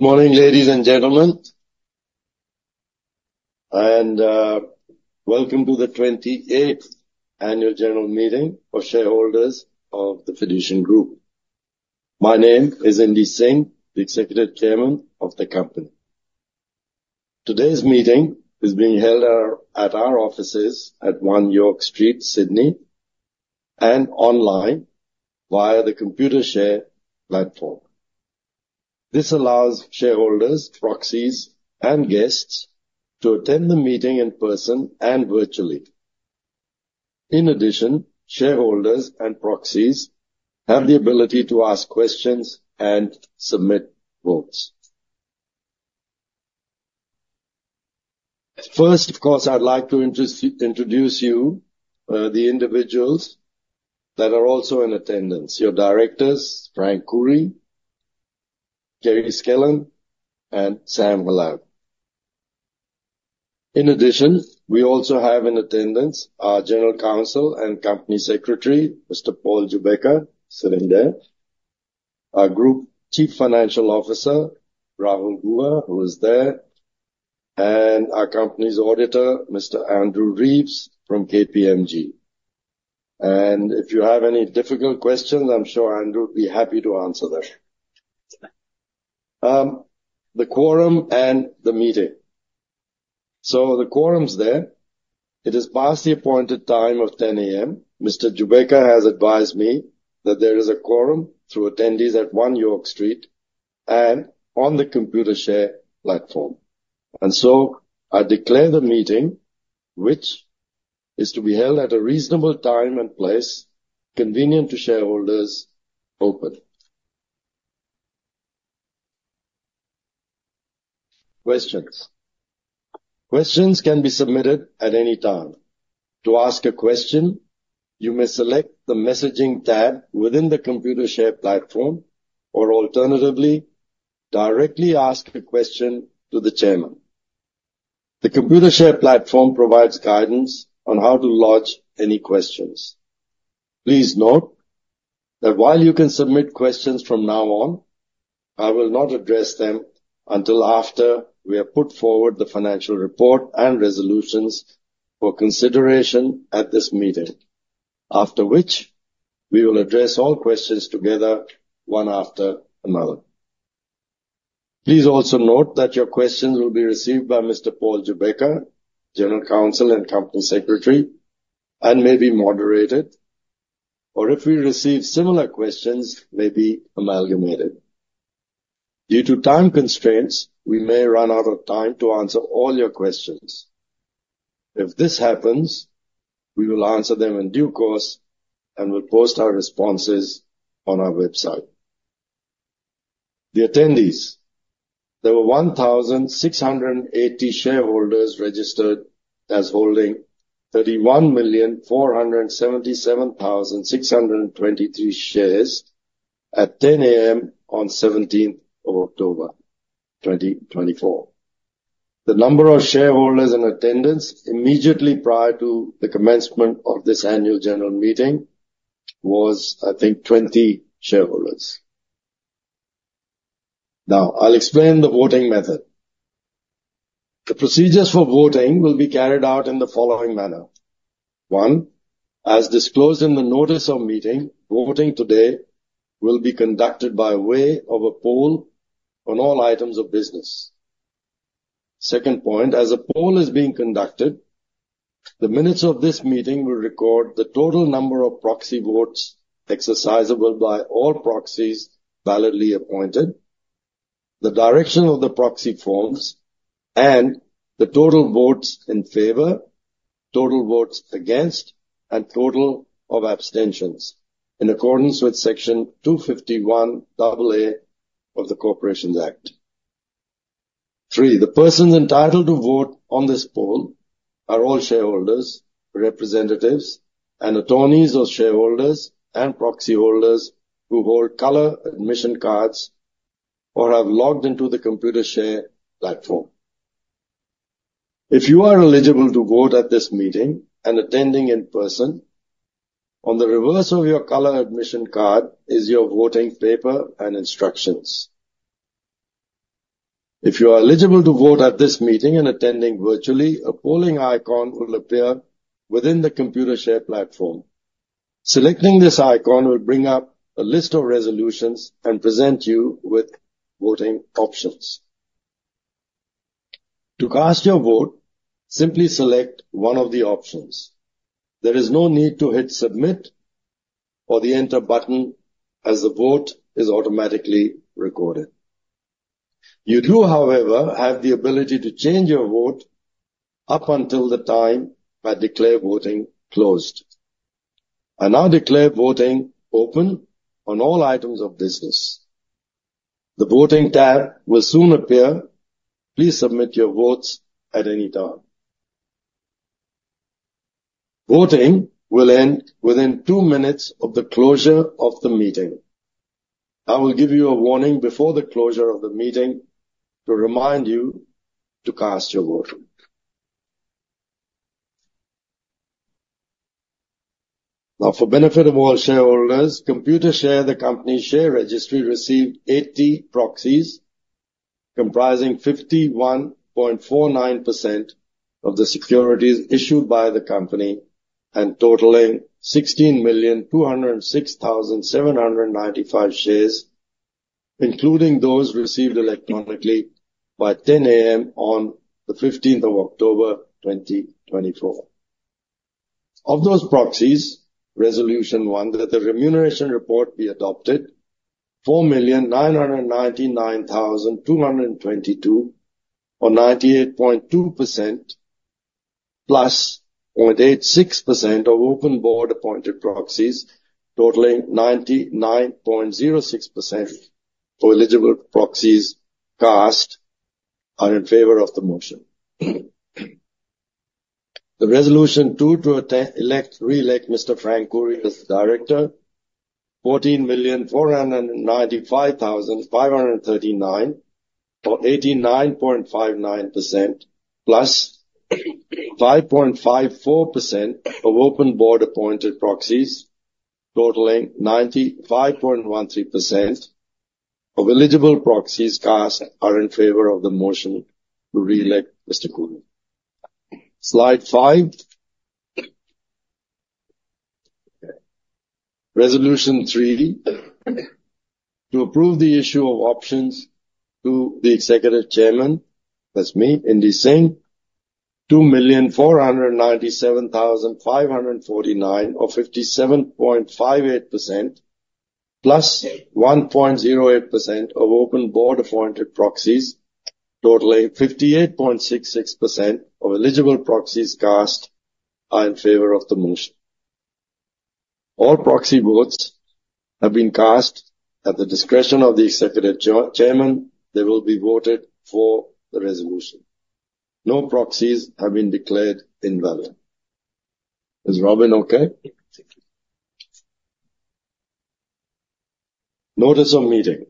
Good morning, ladies and gentlemen, and welcome to the 28th Annual General Meeting for shareholders of the Fiducian Group. My name is Indy Singh, the Executive Chairman of the company. Today's meeting is being held at our offices at One York Street, Sydney, and online via the Computershare platform. This allows shareholders, proxies, and guests to attend the meeting in person and virtually. In addition, shareholders and proxies have the ability to ask questions and submit votes. First, of course, I'd like to introduce you the individuals that are also in attendance. Your directors, Frank Khouri, Gary Skelton, and Sam Hallal. In addition, we also have in attendance our General Counsel and Company Secretary, Mr. Paul Gubecka, sitting there. Our Group Chief Financial Officer, Rahul Guha, who is there. And our company's auditor, Mr. Andrew Reeves, from KPMG. If you have any difficult questions, I'm sure Andrew will be happy to answer them. The quorum and the meeting. The quorum's there. It is past the appointed time of 10 A.M. Mr. Gubecka has advised me that there is a quorum through attendees at One York Street and on the Computershare platform, and so I declare the meeting, which is to be held at a reasonable time and place, convenient to shareholders, open. Questions. Questions can be submitted at any time. To ask a question, you may select the messaging tab within the Computershare platform, or alternatively, directly ask a question to the chairman. The Computershare platform provides guidance on how to lodge any questions. Please note that while you can submit questions from now on, I will not address them until after we have put forward the financial report and resolutions for consideration at this meeting. After which, we will address all questions together, one after another. Please also note that your questions will be received by Mr. Paul Gubecka, General Counsel and Company Secretary, and may be moderated, or if we receive similar questions, may be amalgamated. Due to time constraints, we may run out of time to answer all your questions. If this happens, we will answer them in due course and will post our responses on our website. The attendees. There were 1,680 shareholders registered as holding 30,477,623 shares at 10:00 A.M. on 17th of October, 2024. The number of shareholders in attendance immediately prior to the commencement of this annual general meeting was, I think, 20 shareholders. Now, I'll explain the voting method. The procedures for voting will be carried out in the following manner: One, as disclosed in the notice of meeting, voting today will be conducted by way of a poll on all items of business. Second point, as a poll is being conducted, the minutes of this meeting will record the total number of proxy votes exercisable by all proxies validly appointed, the direction of the proxy forms, and the total votes in favor, total votes against, and total of abstentions, in accordance with Section 251AA of the Corporations Act 2001. Three, the persons entitled to vote on this poll are all shareholders, representatives, and attorneys or shareholders and proxy holders who hold color admission cards or have logged into the Computershare platform. If you are eligible to vote at this meeting and attending in person, on the reverse of your color admission card is your voting paper and instructions. If you are eligible to vote at this meeting and attending virtually, a polling icon will appear within the Computershare platform. Selecting this icon will bring up a list of resolutions and present you with voting options. To cast your vote, simply select one of the options. There is no need to hit Submit or the Enter button, as the vote is automatically recorded. You do, however, have the ability to change your vote up until the time I declare voting closed. I now declare voting open on all items of business. The voting tab will soon appear. Please submit your votes at any time. Voting will end within two minutes of the closure of the meeting. I will give you a warning before the closure of the meeting to remind you to cast your vote. Now, for benefit of all shareholders, Computershare, the company's share registry, received 80 proxies, comprising 51.49% of the securities issued by the company, and totaling 16,206,795 shares, including those received electronically by 10:00 A.M. on the fifteenth of October, 2024. Of those proxies, resolution one, that the remuneration report be adopted, 4,999,222, or 98.2%, +0.86% of open board appointed proxies, totaling 99.06% of eligible proxies cast, are in favor of the motion. Resolution two, to elect, re-elect Mr. Frank Khouri as the director, 14,495,539, or 89.59%, +5.54% of open board appointed proxies, totaling 95.13% of eligible proxies cast, are in favor of the motion to re-elect Mr. Khouri. Slide five. Resolution three, to approve the issue of options to the Executive Chairman, that's me, in the same 2,497,549, or 57.58%, +1.08% of open board-appointed proxies, totaling 58.66% of eligible proxies cast, are in favor of the motion. All proxy votes have been cast at the discretion of the executive chairman. They will be voted for the resolution. No proxies have been declared invalid. Is Robin okay? Thank you. Notice of meeting.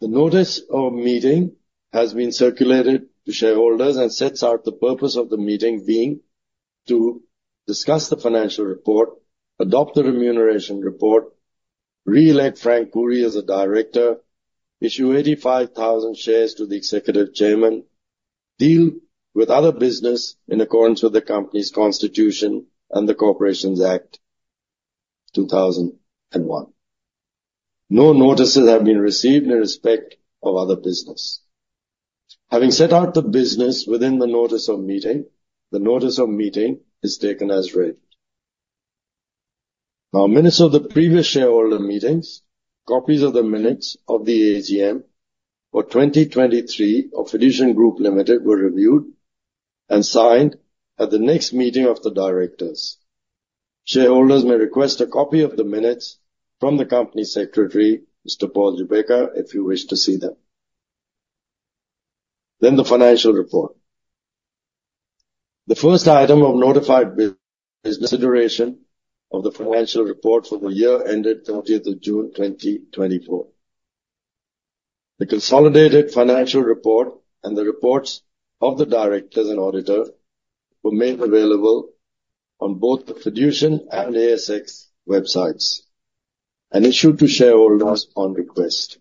The notice of meeting has been circulated to shareholders and sets out the purpose of the meeting being: to discuss the financial report, adopt the remuneration report, re-elect Frank Khouri as a director, issue 85,000 shares to the executive chairman, deal with other business in accordance with the company's constitution and the Corporations Act 2001. No notices have been received in respect of other business. Having set out the business within the notice of meeting, the notice of meeting is taken as read. Now, minutes of the previous shareholder meetings, copies of the minutes of the AGM for 2023 of Fiducian Group Limited, were reviewed and signed at the next meeting of the directors. Shareholders may request a copy of the minutes from the Company Secretary, Mr. Paul Gubecka, if you wish to see them. Then, the financial report. The first item of notified business is consideration of the financial report for the year ended 30th of June, 2024. The consolidated financial report and the reports of the directors and auditor were made available on both the Fiducian and ASX websites and issued to shareholders on request.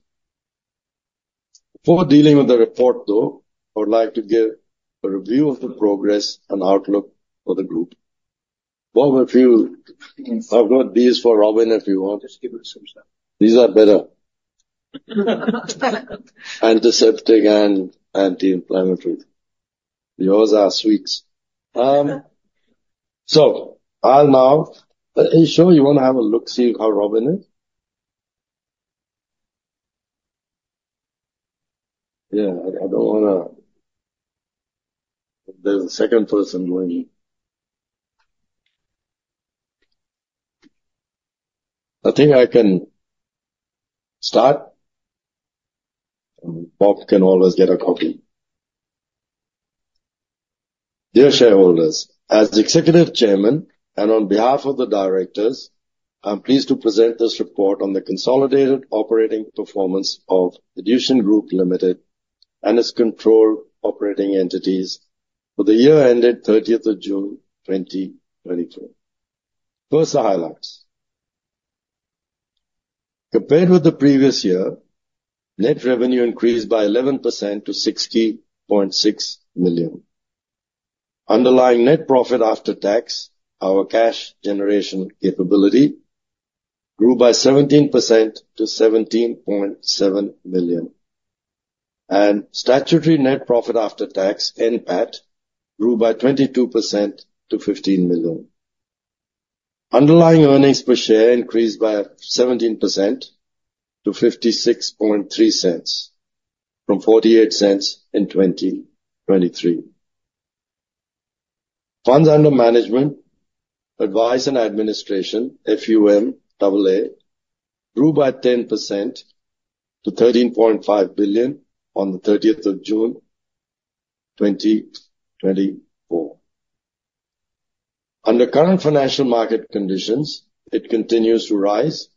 Before dealing with the report, though, I would like to give a review of the progress and outlook for the group. Yes. I've got these for Robin, if you want. Just give it to yourself. These are better. Antiseptic and anti-inflammatory. Yours are sweets. So I'll now. Are you sure you wanna have a look, see how Robin is? Yeah, I don't wanna. There's a second person going in. I think I can start, and Bob can always get a copy. Dear shareholders, as Executive Chairman and on behalf of the directors, I'm pleased to present this report on the consolidated operating performance of the Fiducian Group Limited and its controlled operating entities for the year ended 30th of June, 2024. First, the highlights. Compared with the previous year, net revenue increased by 11% to 60.6 million. Underlying net profit after tax, our cash generation capability, grew by 17% to 17.7 million, and statutory net profit after tax, NPAT, grew by 22% to 15 million. Underlying earnings per share increased by 17% to 0.563, from 0.48 in 2023. Funds under management, advice and administration, FUMAA, grew by 10% to 13.5 billion on the 30th of June, 2024. Under current financial market conditions, it continues to rise.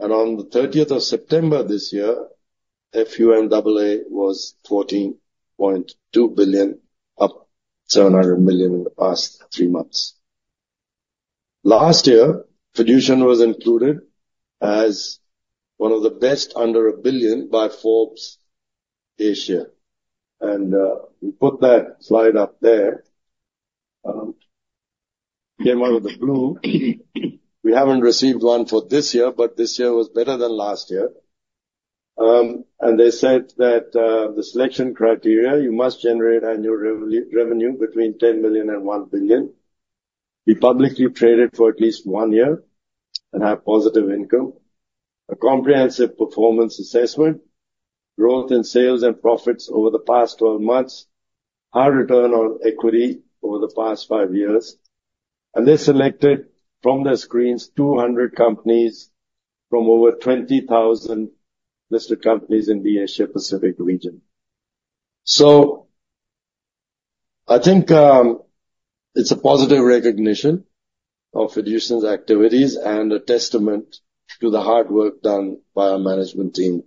On the 30th of September this year, FUMAA was 14.2 billion, up 700 million in the past three months. Last year, Fiducian was included as one of the Best Under a Billion by Forbes Asia, and we put that slide up there. Came out of the blue. We haven't received one for this year, but this year was better than last year. They said that the selection criteria, you must generate annual revenue between 10 million and 1 billion. Be publicly traded for at least one year and have positive income. A comprehensive performance assessment, growth in sales and profits over the past twelve months, high return on equity over the past five years, and they selected from their screens, 200 companies from over 20,000 listed companies in the Asia Pacific region. So I think, it's a positive recognition of Fiducian's activities and a testament to the hard work done by our management team.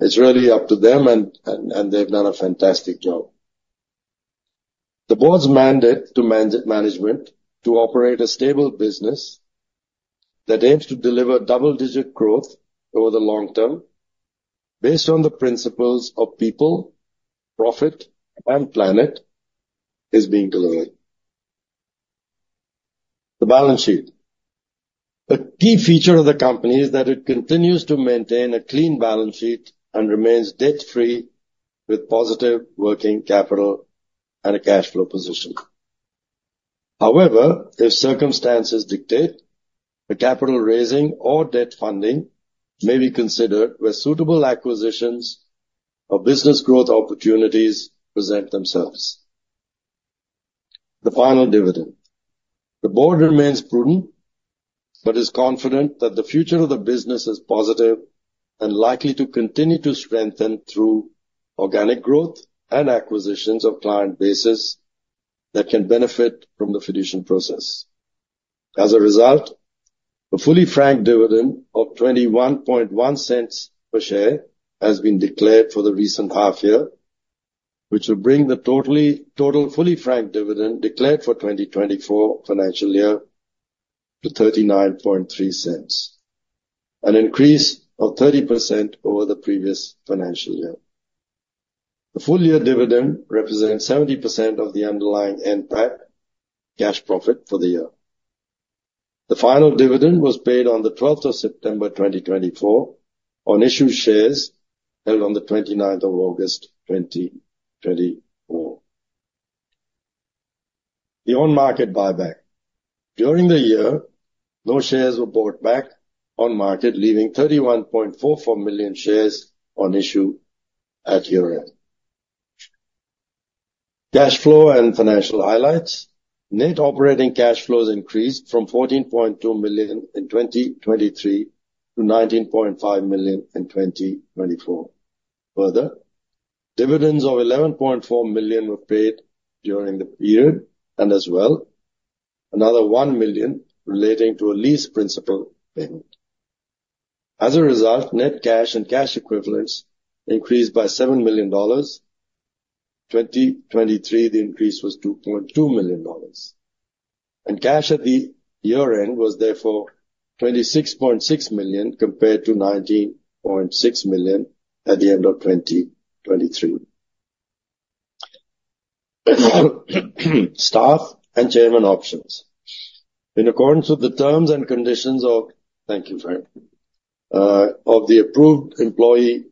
It's really up to them, and they've done a fantastic job. The board's mandate to management to operate a stable business that aims to deliver double-digit growth over the long term, based on the principles of people, profit, and planet, is being delivered. The balance sheet. A key feature of the company is that it continues to maintain a clean balance sheet and remains debt-free, with positive working capital and a cash flow position. However, if circumstances dictate, a capital raising or debt funding may be considered where suitable acquisitions or business growth opportunities present themselves. The final dividend. The board remains prudent, but is confident that the future of the business is positive and likely to continue to strengthen through organic growth and acquisitions of client bases that can benefit from the Fiducian process. As a result, a fully franked dividend of 0.211 per share has been declared for the recent half year, which will bring the total fully franked dividend declared for 2024 financial year to 0.393, an increase of 30% over the previous financial year. The full year dividend represents 70% of the underlying NPAT cash profit for the year. The final dividend was paid on the twelfth of September 2024 on issued shares held on the 29th of August 2024. The on-market buyback. During the year, no shares were bought back on market, leaving 31.44 million shares on issue at year-end. Cash flow and financial highlights. Net operating cash flows increased from 14.2 million in 2023 to 19.5 million in 2024. Further, dividends of 11.4 million were paid during the period, and as well, another 1 million relating to a lease principal payment. As a result, net cash and cash equivalents increased by 7 million dollars. 2023, the increase was 2.2 million dollars, and cash at the year-end was therefore 26.6 million, compared to 19.6 million at the end of 2023. Staff and chairman options. In accordance with the terms and conditions of the approved employee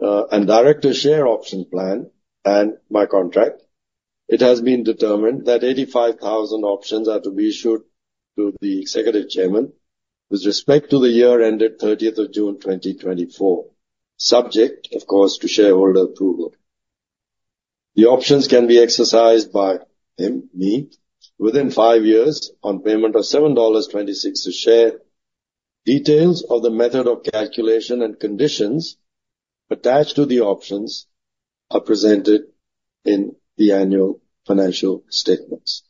and director share option plan and my contract, it has been determined that 85,000 options are to be issued to the executive chairman with respect to the year ended 30th June 2024, subject, of course, to shareholder approval. The options can be exercised by him, me, within five years on payment of 7.26 dollars a share. Details of the method of calculation and conditions attached to the options are presented in the annual financial statements.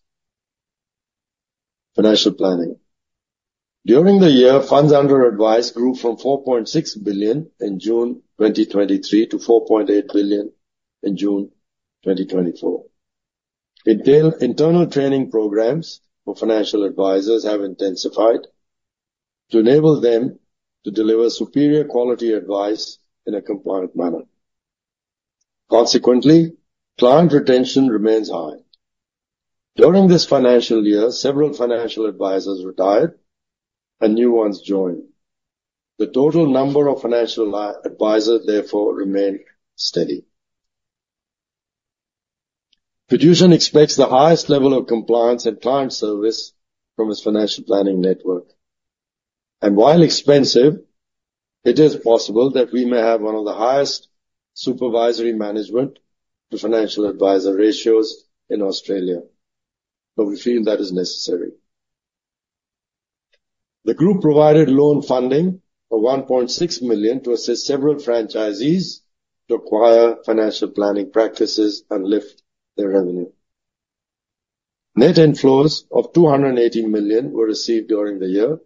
Financial planning. During the year, funds under advice grew from 4.6 billion in June 2023 to 4.8 billion in June 2024. Internal training programs for financial advisors have intensified to enable them to deliver superior quality advice in a compliant manner. Consequently, client retention remains high. During this financial year, several financial advisors retired and new ones joined. The total number of financial advisors, therefore, remained steady. Fiducian expects the highest level of compliance and client service from its financial planning network, and while expensive, it is possible that we may have one of the highest supervisory management to financial advisor ratios in Australia, but we feel that is necessary. The group provided loan funding of 1.6 million to assist several franchisees to acquire financial planning practices and lift their revenue. Net inflows of 280 million were received during the year.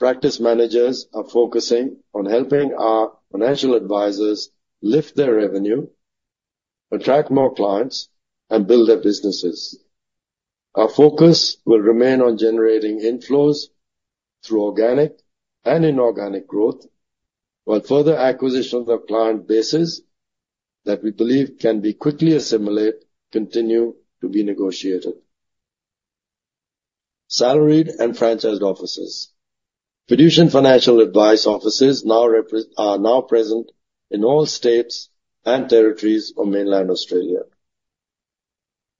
Practice managers are focusing on helping our financial advisors lift their revenue, attract more clients, and build their businesses. Our focus will remain on generating inflows through organic and inorganic growth, while further acquisition of the client bases that we believe can be quickly assimilated, continue to be negotiated. Salaried and franchised offices. Fiducian Financial Advice offices are now present in all states and territories of mainland Australia.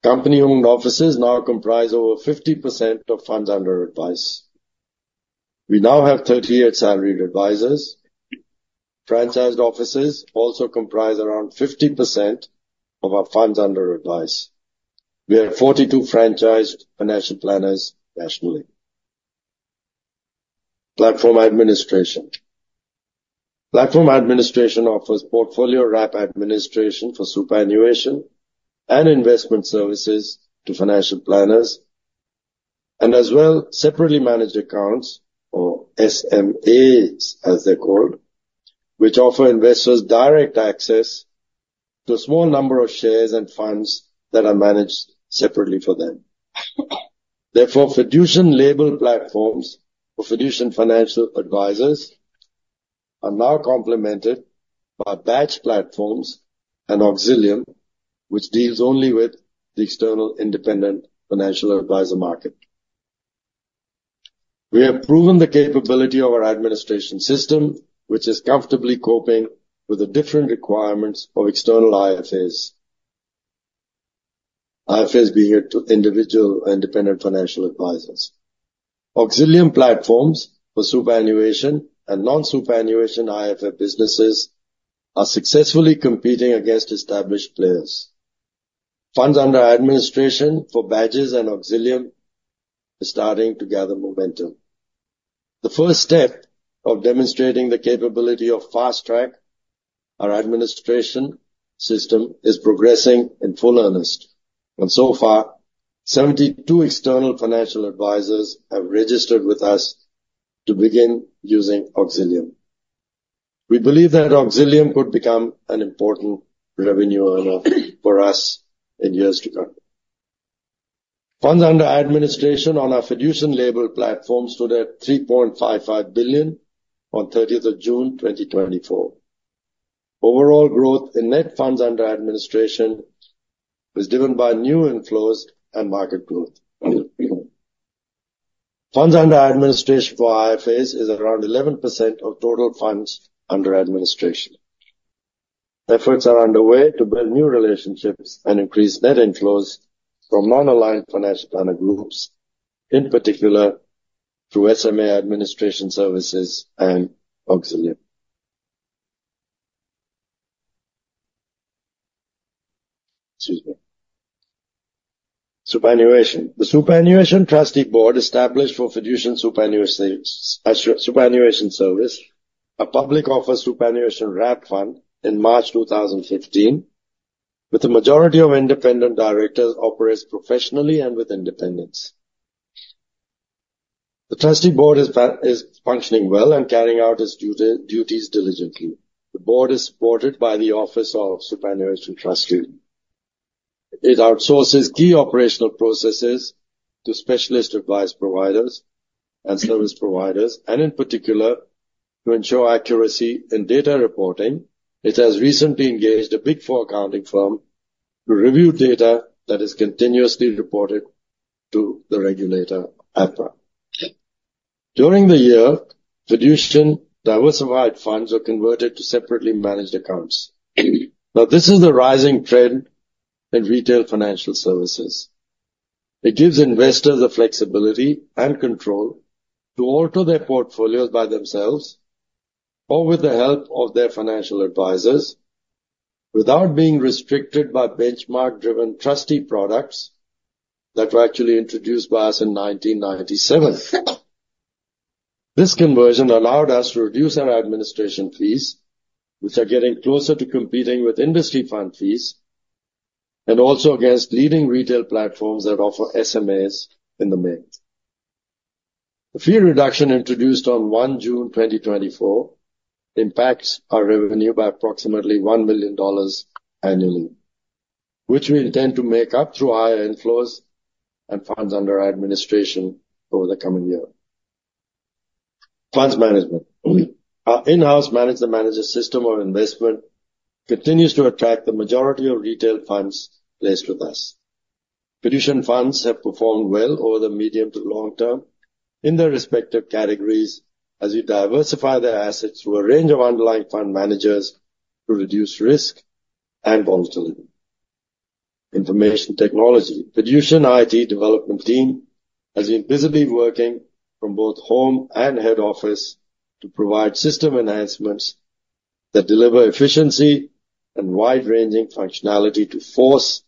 Company-owned offices now comprise over 50% of funds under advice. We now have 38 salaried advisors. Franchised offices also comprise around 50% of our funds under advice. We have 42 franchised financial planners nationally. Platform administration. Platform administration offers portfolio wrap administration for superannuation and investment services to financial planners, and as well, separately managed accounts, or SMAs, as they're called, which offer investors direct access to a small number of shares and funds that are managed separately for them. Therefore, Fiducian-labelled platforms or Fiducian financial advisors are now complemented by Badged platforms and Auxilium, which deals only with the external independent financial advisor market. We have proven the capability of our administration system, which is comfortably coping with the different requirements of external IFAs, be it to individual independent financial advisors. Auxilium platforms for superannuation and non-superannuation IFA businesses are successfully competing against established players. Funds under administration for Badged and Auxilium are starting to gather momentum. The first step of demonstrating the capability of FasTrack, our administration system, is progressing in full earnest, and so far, 72 external financial advisors have registered with us to begin using Auxilium. We believe that Auxilium could become an important revenue earner for us in years to come. Funds under administration on our Fiducian label platform stood at 3.55 billion on thirtieth of June, 2024. Overall growth in net funds under administration was driven by new inflows and market growth. Funds under administration for IFAs is around 11% of total funds under administration. Efforts are underway to build new relationships and increase net inflows from non-aligned financial planner groups, in particular, through SMA administration services and Auxilium. Excuse me. Superannuation. The Superannuation Trustee Board, established for Fiducian Superannuation Service, a public offer superannuation wrap fund in March 2015, with the majority of independent directors, operates professionally and with independence. The trustee board is functioning well and carrying out its duty diligently. The board is supported by the Office of Superannuation Trustee. It outsources key operational processes to specialist advice providers and service providers, and in particular, to ensure accuracy in data reporting, it has recently engaged a Big Four accounting firm to review data that is continuously reported to the regulator, APRA. During the year, Fiducian diversified funds were converted to separately managed accounts. Now, this is the rising trend in retail financial services. It gives investors the flexibility and control to alter their portfolios by themselves or with the help of their financial advisors, without being restricted by benchmark-driven trustee products that were actually introduced by us in 1997. This conversion allowed us to reduce our administration fees, which are getting closer to competing with industry fund fees, and also against leading retail platforms that offer SMAs in the mix. The fee reduction, introduced on 1 June 2024, impacts our revenue by approximately 1 million dollars annually, which we intend to make up through higher inflows and funds under our administration over the coming year. Funds management. Our in-house multi-manager system of investment continues to attract the majority of retail funds placed with us. Fiducian funds have performed well over the medium to long term in their respective categories as we diversify their assets through a range of underlying fund managers to reduce risk and volatility. Information technology. Fiducian IT development team has been busily working from both home and head office to provide system enhancements that deliver efficiency and wide-ranging functionality to FORCe,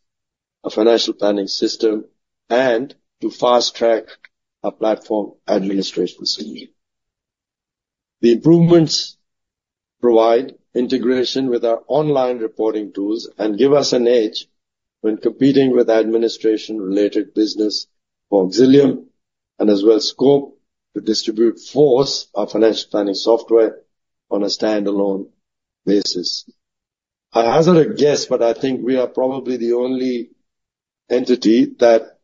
a financial planning system, and to FasTrack, our platform administration system. The improvements provide integration with our online reporting tools and give us an edge when competing with administration-related business for Auxilium, and as well, scope to distribute FORCe, our financial planning software, on a standalone basis. I hazard a guess, but I think we are probably the only entity that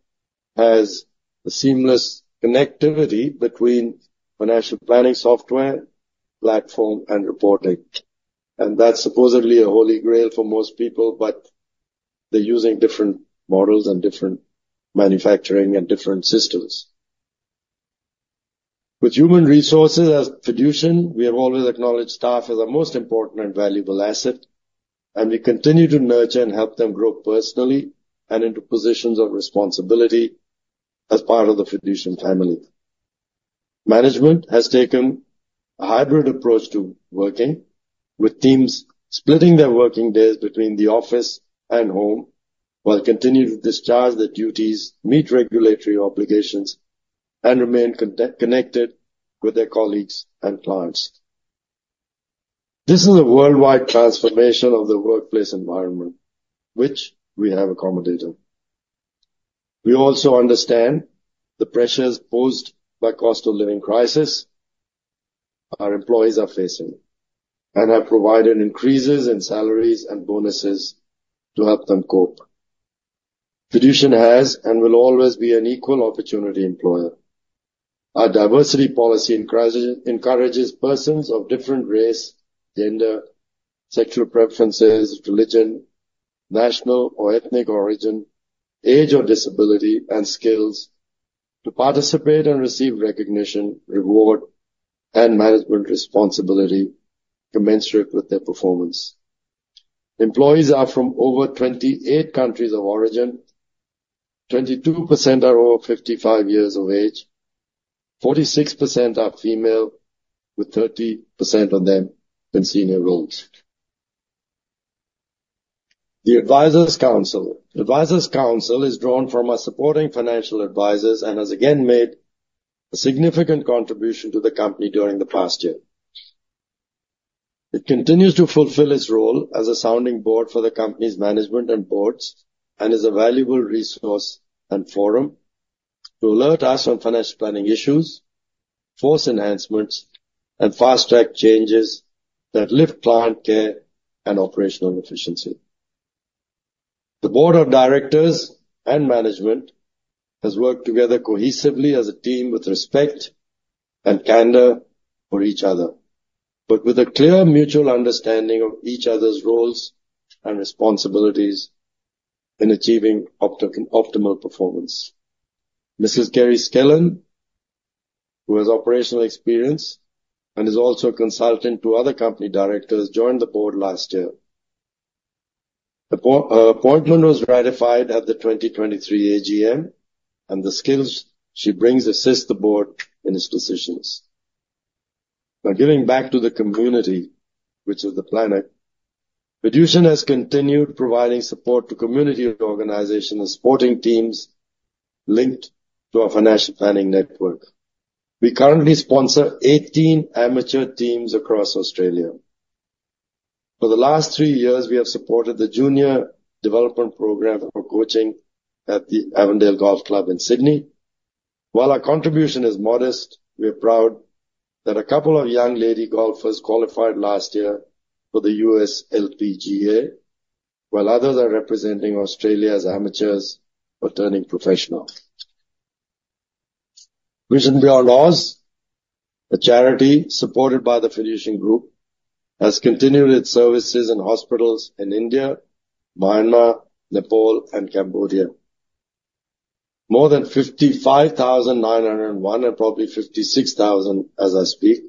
has a seamless connectivity between financial planning, software, platform, and reporting. That's supposedly a holy grail for most people, but they're using different models and different manufacturing and different systems. With human resources at Fiducian, we have always acknowledged staff as our most important and valuable asset, and we continue to nurture and help them grow personally and into positions of responsibility as part of the Fiducian family. Management has taken a hybrid approach to working, with teams splitting their working days between the office and home, while continuing to discharge their duties, meet regulatory obligations, and remain connected with their colleagues and clients. This is a worldwide transformation of the workplace environment, which we have accommodated. We also understand the pressures posed by cost of living crisis our employees are facing, and have provided increases in salaries and bonuses to help them cope. Fiducian has and will always be an equal opportunity employer. Our diversity policy encourages persons of different race, gender, sexual preferences, religion, national or ethnic origin, age or disability, and skills to participate and receive recognition, reward, and management responsibility commensurate with their performance. Employees are from over 28 countries of origin. 22% are over 55 years of age. 46% are female, with 30% of them in senior roles. The Advisors Council is drawn from our supporting financial advisors and has again made a significant contribution to the company during the past year. It continues to fulfill its role as a sounding board for the company's management and boards, and is a valuable resource and forum to alert us on financial planning issues, FORCe enhancements, and FasTrack changes that lift client care and operational efficiency. The board of directors and management has worked together cohesively as a team with respect and candor for each other, but with a clear mutual understanding of each other's roles and responsibilities in achieving optimal performance. Mrs. Kerry Skelton, who has operational experience and is also a consultant to other company directors, joined the board last year. Appointment was ratified at the 2023 AGM, and the skills she brings assist the board in its decisions. Now, giving back to the community, which is the planet, Fiducian has continued providing support to community organizations and sporting teams linked to our financial planning network. We currently sponsor 18 amateur teams across Australia. For the last three years, we have supported the junior development program for coaching at the Avondale Golf Club in Sydney. While our contribution is modest, we are proud that a couple of young lady golfers qualified last year for the USLPGA, while others are representing Australia as amateurs but turning professional. Vision Beyond Aus, a charity supported by the Fiducian Group, has continued its services in hospitals in India, Myanmar, Nepal, and Cambodia. More than 55,901, and probably 56,000 as I speak,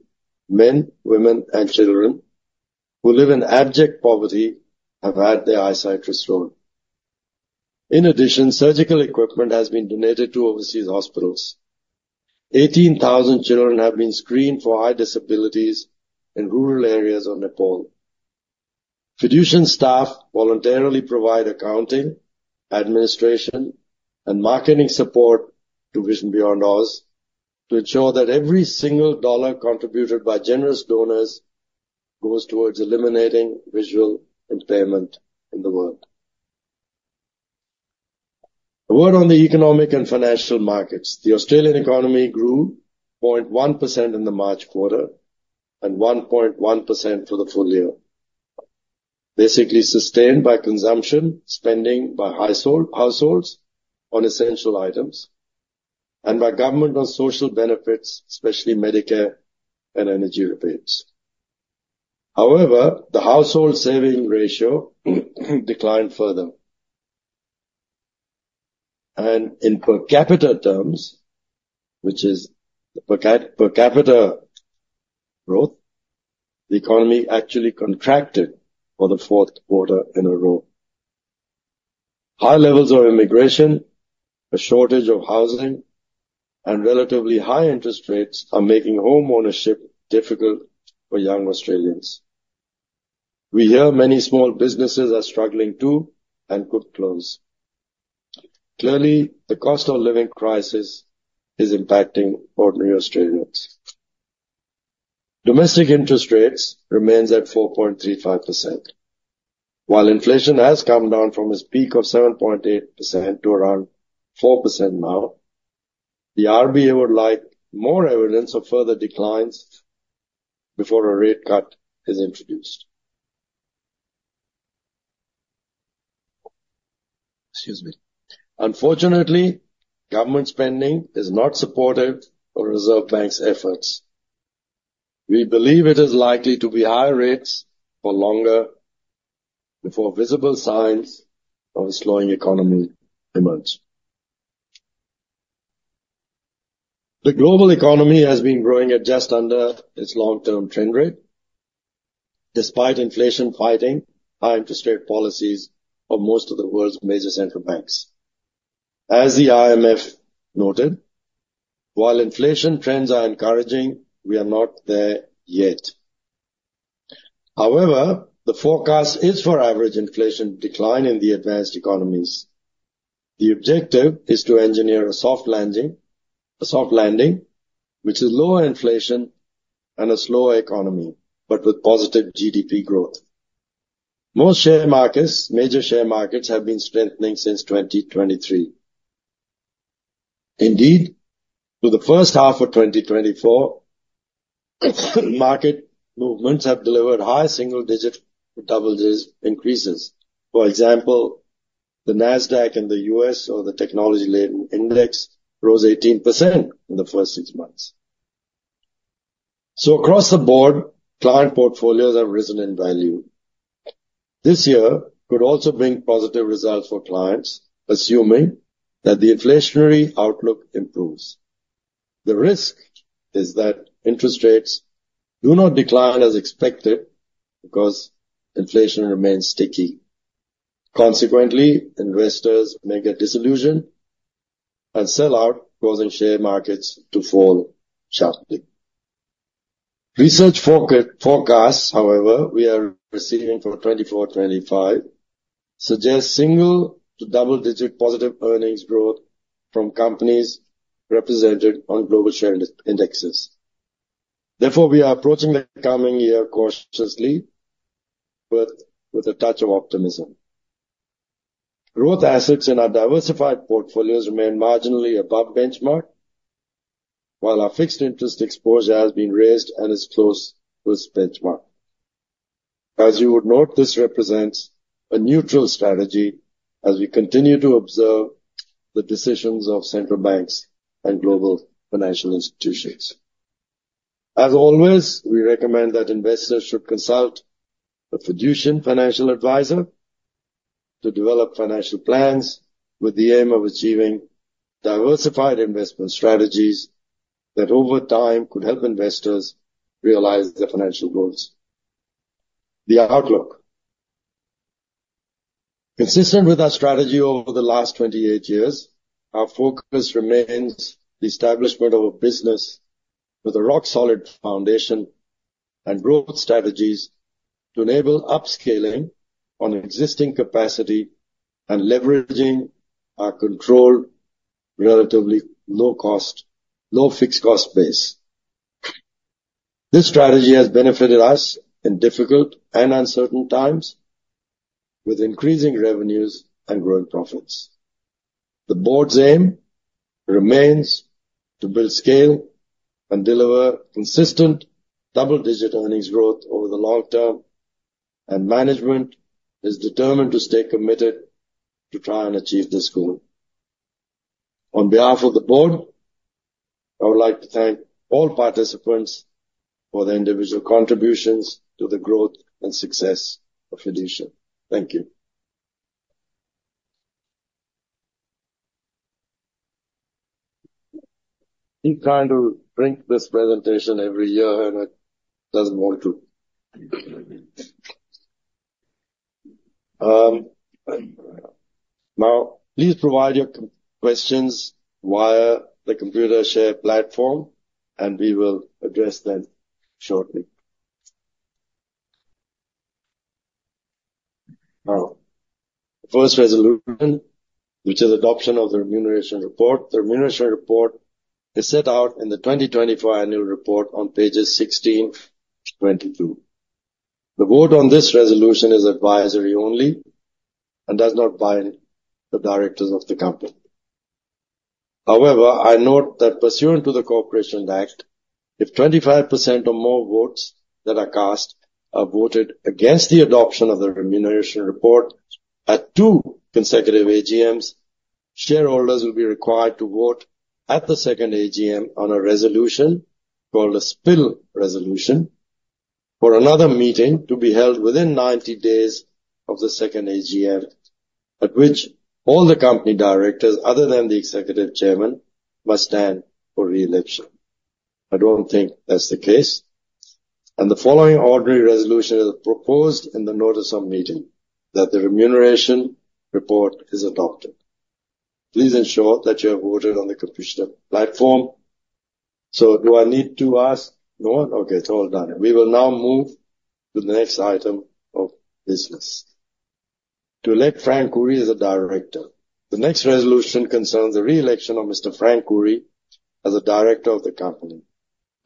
men, women, and children who live in abject poverty have had their eyesight restored. In addition, surgical equipment has been donated to overseas hospitals. 18,000 children have been screened for eye disabilities in rural areas of Nepal. Fiducian staff voluntarily provide accounting, administration, and marketing support to Vision Beyond Aus to ensure that every single dollar contributed by generous donors goes towards eliminating visual impairment in the world. A word on the economic and financial markets. The Australian economy grew 0.1% in the March quarter and 1.1% for the full year. Basically sustained by consumption, spending by households on essential items, and by government on social benefits, especially Medicare and energy rebates. However, the household saving ratio declined further, and in per capita terms, which is the per capita growth, the economy actually contracted for the fourth quarter in a row. High levels of immigration, a shortage of housing, and relatively high interest rates are making homeownership difficult for young Australians. We hear many small businesses are struggling, too, and could close. Clearly, the cost of living crisis is impacting ordinary Australians. Domestic interest rates remains at 4.35%. While inflation has come down from its peak of 7.8% to around 4% now, the RBA would like more evidence of further declines before a rate cut is introduced. Excuse me. Unfortunately, government spending has not supported the Reserve Bank's efforts. We believe it is likely to be higher rates for longer before visible signs of a slowing economy emerge. The global economy has been growing at just under its long-term trend rate, despite inflation fighting high interest rate policies of most of the world's major central banks. As the IMF noted, while inflation trends are encouraging, we are not there yet. However, the forecast is for average inflation decline in the advanced economies. The objective is to engineer a soft landing, a soft landing, which is lower inflation and a slower economy, but with positive GDP growth. Most share markets, major share markets, have been strengthening since 2023. Indeed, through the first half of 2024, market movements have delivered high single-digit to double-digit increases. For example, the Nasdaq in the U.S., or the technology-laden index, rose 18% in the first six months. So across the board, client portfolios have risen in value. This year could also bring positive results for clients, assuming that the inflationary outlook improves. The risk is that interest rates do not decline as expected because inflation remains sticky. Consequently, investors may get disillusioned and sell out, causing share markets to fall sharply. Research forecasts, however, we are receiving for 2024, 2025, suggest single- to double-digit positive earnings growth from companies represented on global share indexes. Therefore, we are approaching the coming year cautiously, but with a touch of optimism. Growth assets in our diversified portfolios remain marginally above benchmark, while our fixed interest exposure has been raised and is close to its benchmark. As you would note, this represents a neutral strategy as we continue to observe the decisions of central banks and global financial institutions. As always, we recommend that investors should consult a Fiducian financial advisor to develop financial plans with the aim of achieving diversified investment strategies that, over time, could help investors realize their financial goals. The outlook. Consistent with our strategy over the last 28 years, our focus remains the establishment of a business with a rock-solid foundation and growth strategies to enable upscaling on existing capacity and leveraging our controlled, relatively low-cost, low-fixed-cost base. This strategy has benefited us in difficult and uncertain times with increasing revenues and growing profits. The board's aim remains to build scale and deliver consistent double-digit earnings growth over the long term, and management is determined to stay committed to try and achieve this goal. On behalf of the board, I would like to thank all participants for their individual contributions to the growth and success of Fiducian. Thank you. He's trying to bring this presentation every year, and it doesn't want to. Now, please provide your questions via the Computershare platform, and we will address them shortly. Now, first resolution, which is adoption of the remuneration report. The remuneration report is set out in the 2024 annual report on pages 16-22. The vote on this resolution is advisory only and does not bind the directors of the company. However, I note that pursuant to the Corporations Act 2001, if 25% or more votes that are cast are voted against the adoption of the remuneration report at two consecutive AGMs, shareholders will be required to vote at the second AGM on a resolution, called a spill resolution, for another meeting to be held within ninety days of the second AGM, at which all the company directors, other than the executive chairman, must stand for re-election. I don't think that's the case, and the following ordinary resolution is proposed in the notice of meeting: that the remuneration report is adopted. Please ensure that you have voted on the computer platform, so do I need to ask no one? Okay, it's all done. We will now move to the next item of business. To elect Frank Khouri as a director. The next resolution concerns the re-election of Mr. Frank Khouri as a director of the company.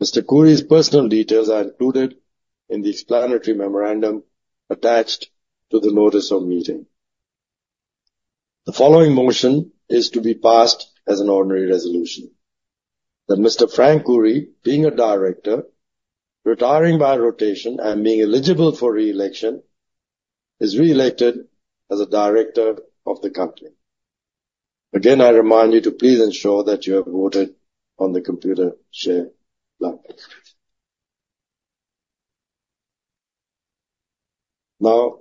Mr. Khouri's personal details are included in the explanatory memorandum attached to the notice of meeting. The following motion is to be passed as an ordinary resolution, that Mr. Frank Khouri, being a director, retiring by rotation and being eligible for re-election, is re-elected as a director of the company. Again, I remind you to please ensure that you have voted on the Computershare platform. Now,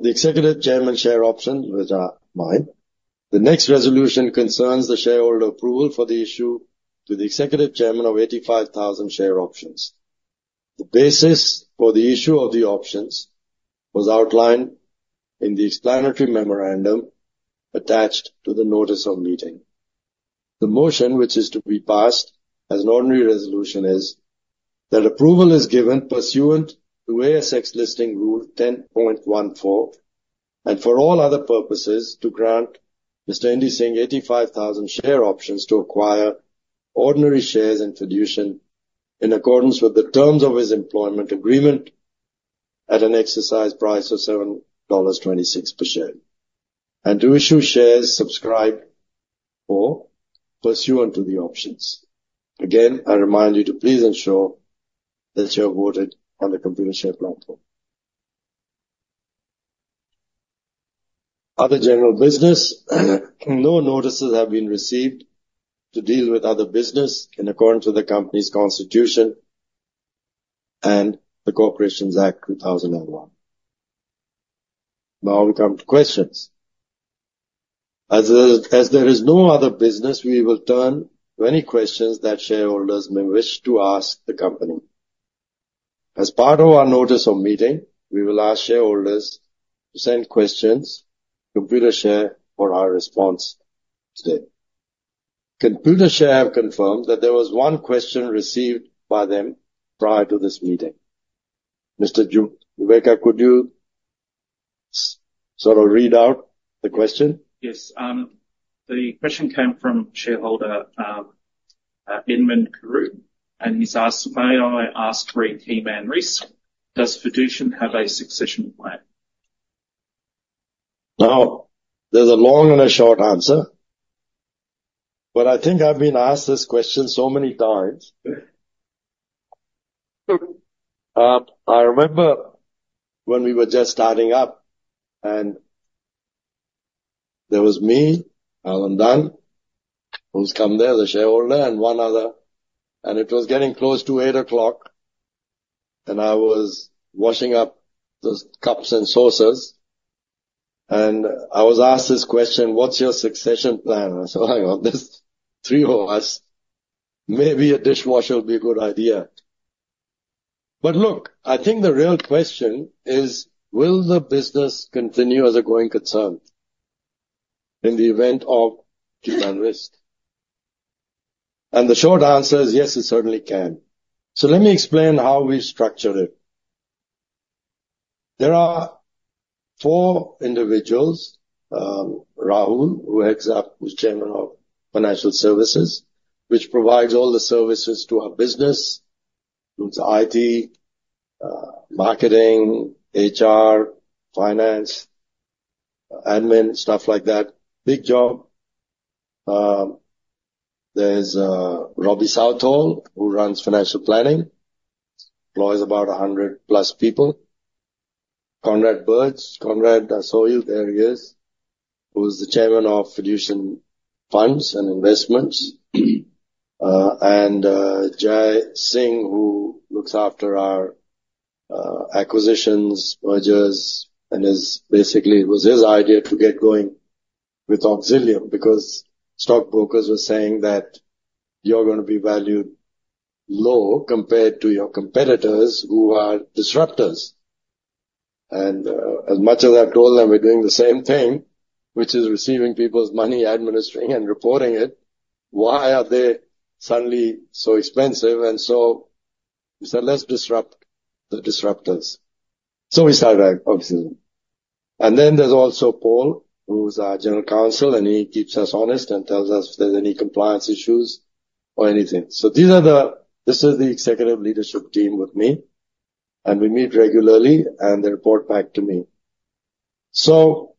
the executive chairman share option, which are mine. The next resolution concerns the shareholder approval for the issue to the executive chairman of 85,000 share options. The basis for the issue of the options was outlined in the explanatory memorandum attached to the notice of meeting. The motion, which is to be passed as an ordinary resolution, is that approval is given pursuant to ASX Listing Rule 10.4, and for all other purposes, to grant Mr. Indy Singh 85,000 share options to acquire ordinary shares in Fiducian, in accordance with the terms of his employment agreement, at an exercise price of 7.26 dollars per share, and to issue shares subscribed for pursuant to the options. Again, I remind you to please ensure that you have voted on the Computershare platform. Other general business. No notices have been received to deal with other business in accordance with the company's constitution and the Corporations Act 2001. Now we come to questions. As there is no other business, we will turn to any questions that shareholders may wish to ask the company. As part of our notice of meeting, we will ask shareholders to send questions to Computershare for our response today. Computershare have confirmed that there was one question received by them prior to this meeting. Mr. Gubecka, could you sort of read out the question? Yes. The question came from shareholder, Edmund Carew, and he's asked: "May I ask re Key Man Risk, does Fiducian have a succession plan? Now, there's a long and a short answer, but I think I've been asked this question so many times. I remember when we were just starting up and there was me, Alan Dunn, who's come there as a shareholder, and one other, and it was getting close to eight o'clock, and I was washing up those cups and saucers, and I was asked this question: "What's your succession plan?" I said, "Hang on, there's three of us. Maybe a dishwasher would be a good idea." But look, I think the real question is: will the business continue as a going concern in the event of key man risk? And the short answer is yes, it certainly can. So let me explain how we structure it. There are four individuals, Rahul, who heads up, who's chairman of financial services, which provides all the services to our business, includes IT, marketing, HR, finance, admin, stuff like that. Big job. There's Robby Southall, who runs financial planning, employs about 100+ people. Conrad Burge. Conrad, I saw you. There he is, who's the chairman of Fiducian Funds and Investments. And Jai Singh, who looks after our acquisitions, mergers, and is basically, it was his idea to get going with Auxilium, because stockbrokers were saying that you're gonna be valued low compared to your competitors who are disruptors. And as much as I told them, we're doing the same thing, which is receiving people's money, administering and reporting it, why are they suddenly so expensive? And so we said, "Let's disrupt the disruptors." So we started Auxilium. And then there's also Paul, who's our general counsel, and he keeps us honest and tells us if there's any compliance issues or anything. So these are the executive leadership team with me, and we meet regularly, and they report back to me. So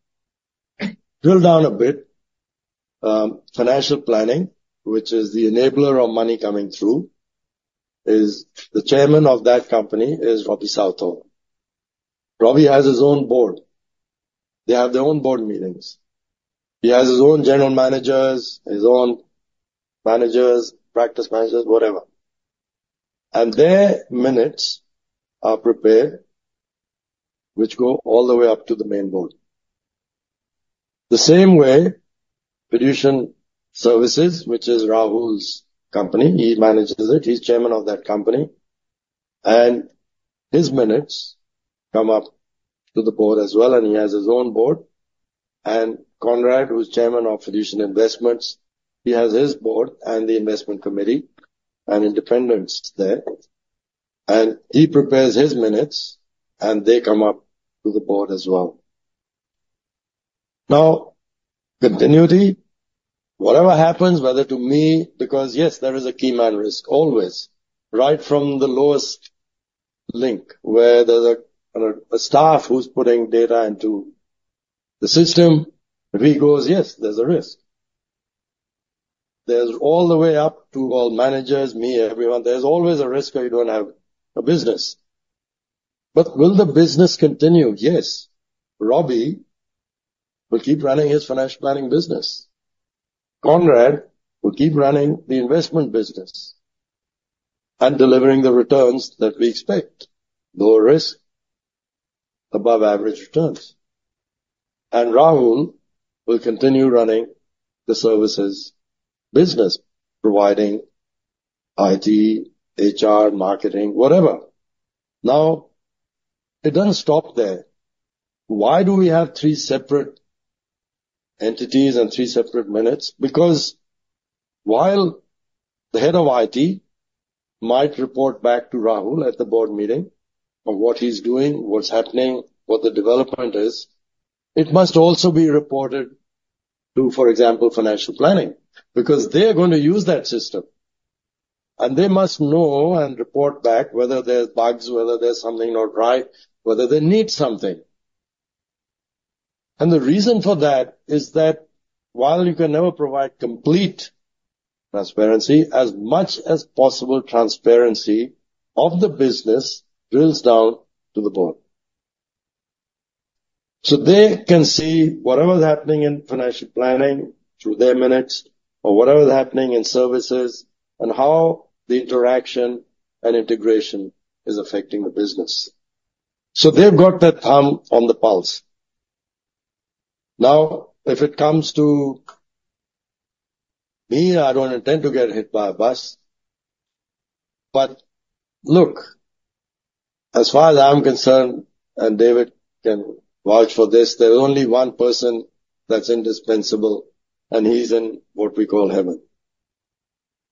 drill down a bit. Financial planning, which is the enabler of money coming through, is the chairman of that company, is Robby Southall. Robby has his own board. They have their own board meetings. He has his own general managers, his own managers, practice managers, whatever, and their minutes are prepared, which go all the way up to the main board. The same way, Fiducian Services, which is Rahul's company, he manages it. He's chairman of that company. And his minutes come up to the board as well, and he has his own board. And Conrad, who's chairman of Fiducian Investments, he has his board and the investment committee and independents there, and he prepares his minutes, and they come up to the board as well. Now, continuity, whatever happens, whether to me, because, yes, there is a key man risk always, right from the lowest link, where there's a staff who's putting data into the system. If he goes, yes, there's a risk. There's all the way up to all managers, me, everyone. There's always a risk, or you don't have a business. But will the business continue? Yes. Robby will keep running his financial planning business. Conrad will keep running the investment business and delivering the returns that we expect. Lower risk, above average returns. And Rahul will continue running the services business, providing IT, HR, marketing, whatever. Now, it doesn't stop there. Why do we have three separate entities and three separate minutes? Because while the head of IT might report back to Rahul at the board meeting on what he's doing, what's happening, what the development is, it must also be reported to, for example, financial planning, because they're going to use that system, and they must know and report back whether there's bugs, whether there's something not right, whether they need something, and the reason for that is that while you can never provide complete transparency, as much as possible, transparency of the business drills down to the board, so they can see whatever is happening in financial planning through their minutes or whatever is happening in services and how the interaction and integration is affecting the business, so they've got their thumb on the pulse. Now, if it comes to me, I don't intend to get hit by a bus. But look, as far as I'm concerned, and David can vouch for this, there's only one person that's indispensable, and he's in what we call heaven.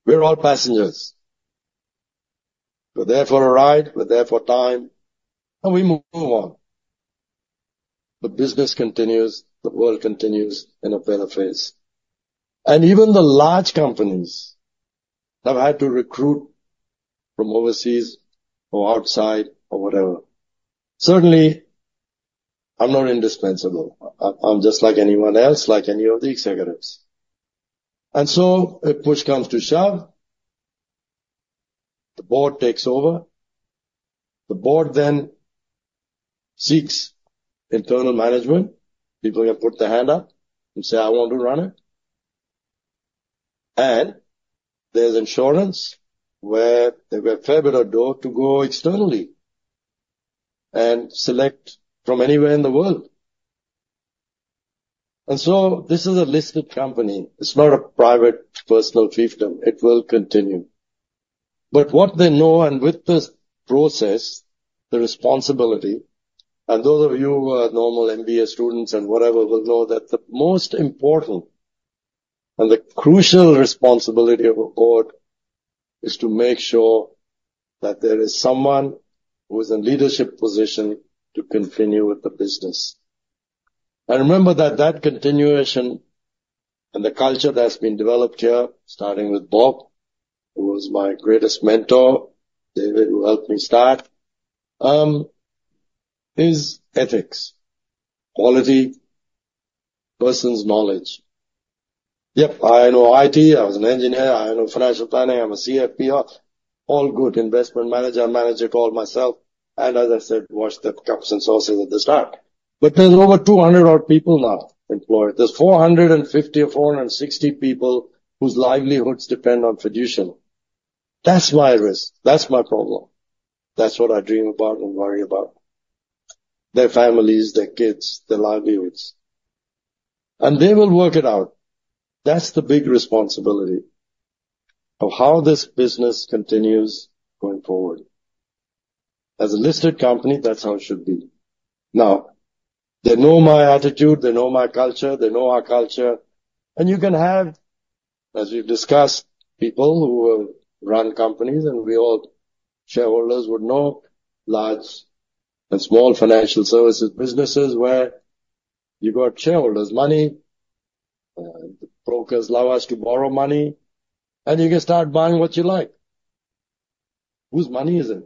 We're all passengers. We're there for a ride, we're there for a time, and we move on. The business continues, the world continues in a better phase, and even the large companies have had to recruit from overseas or outside or whatever. Certainly, I'm not indispensable. I'm just like anyone else, like any of the executives. And so if push comes to shove, the board takes over. The board then seeks internal management. People have put their hand up and say, "I want to run it." And there's insurance where they've got a fair bit of dough to go externally and select from anywhere in the world. And so this is a listed company. It's not a private, personal fiefdom. It will continue. But what they know, and with this process, the responsibility, and those of you who are normal MBA students and whatever, will know that the most important and the crucial responsibility of a board is to make sure that there is someone who is in leadership position to continue with the business. I remember that continuation and the culture that's been developed here, starting with Bob, who was my greatest mentor, David, who helped me start, is ethics, quality, persons knowledge. Yep, I know IT. I was an engineer. I know financial planning. I'm a CFP, all good investment manager. I manage it all myself, and as I said, washed the cups and saucers at the start. But there's over 200-odd people now employed. There's 450 or 460 people whose livelihoods depend on Fiducian. That's my risk. That's my problem. That's what I dream about and worry about. Their families, their kids, their livelihoods, and they will work it out. That's the big responsibility of how this business continues going forward. As a listed company, that's how it should be. Now, they know my attitude, they know my culture, they know our culture. And you can have, as we've discussed, people who have run companies, and we all, shareholders, would know large and small financial services, businesses where you got shareholders' money. The brokers allow us to borrow money, and you can start buying what you like. Whose money is it?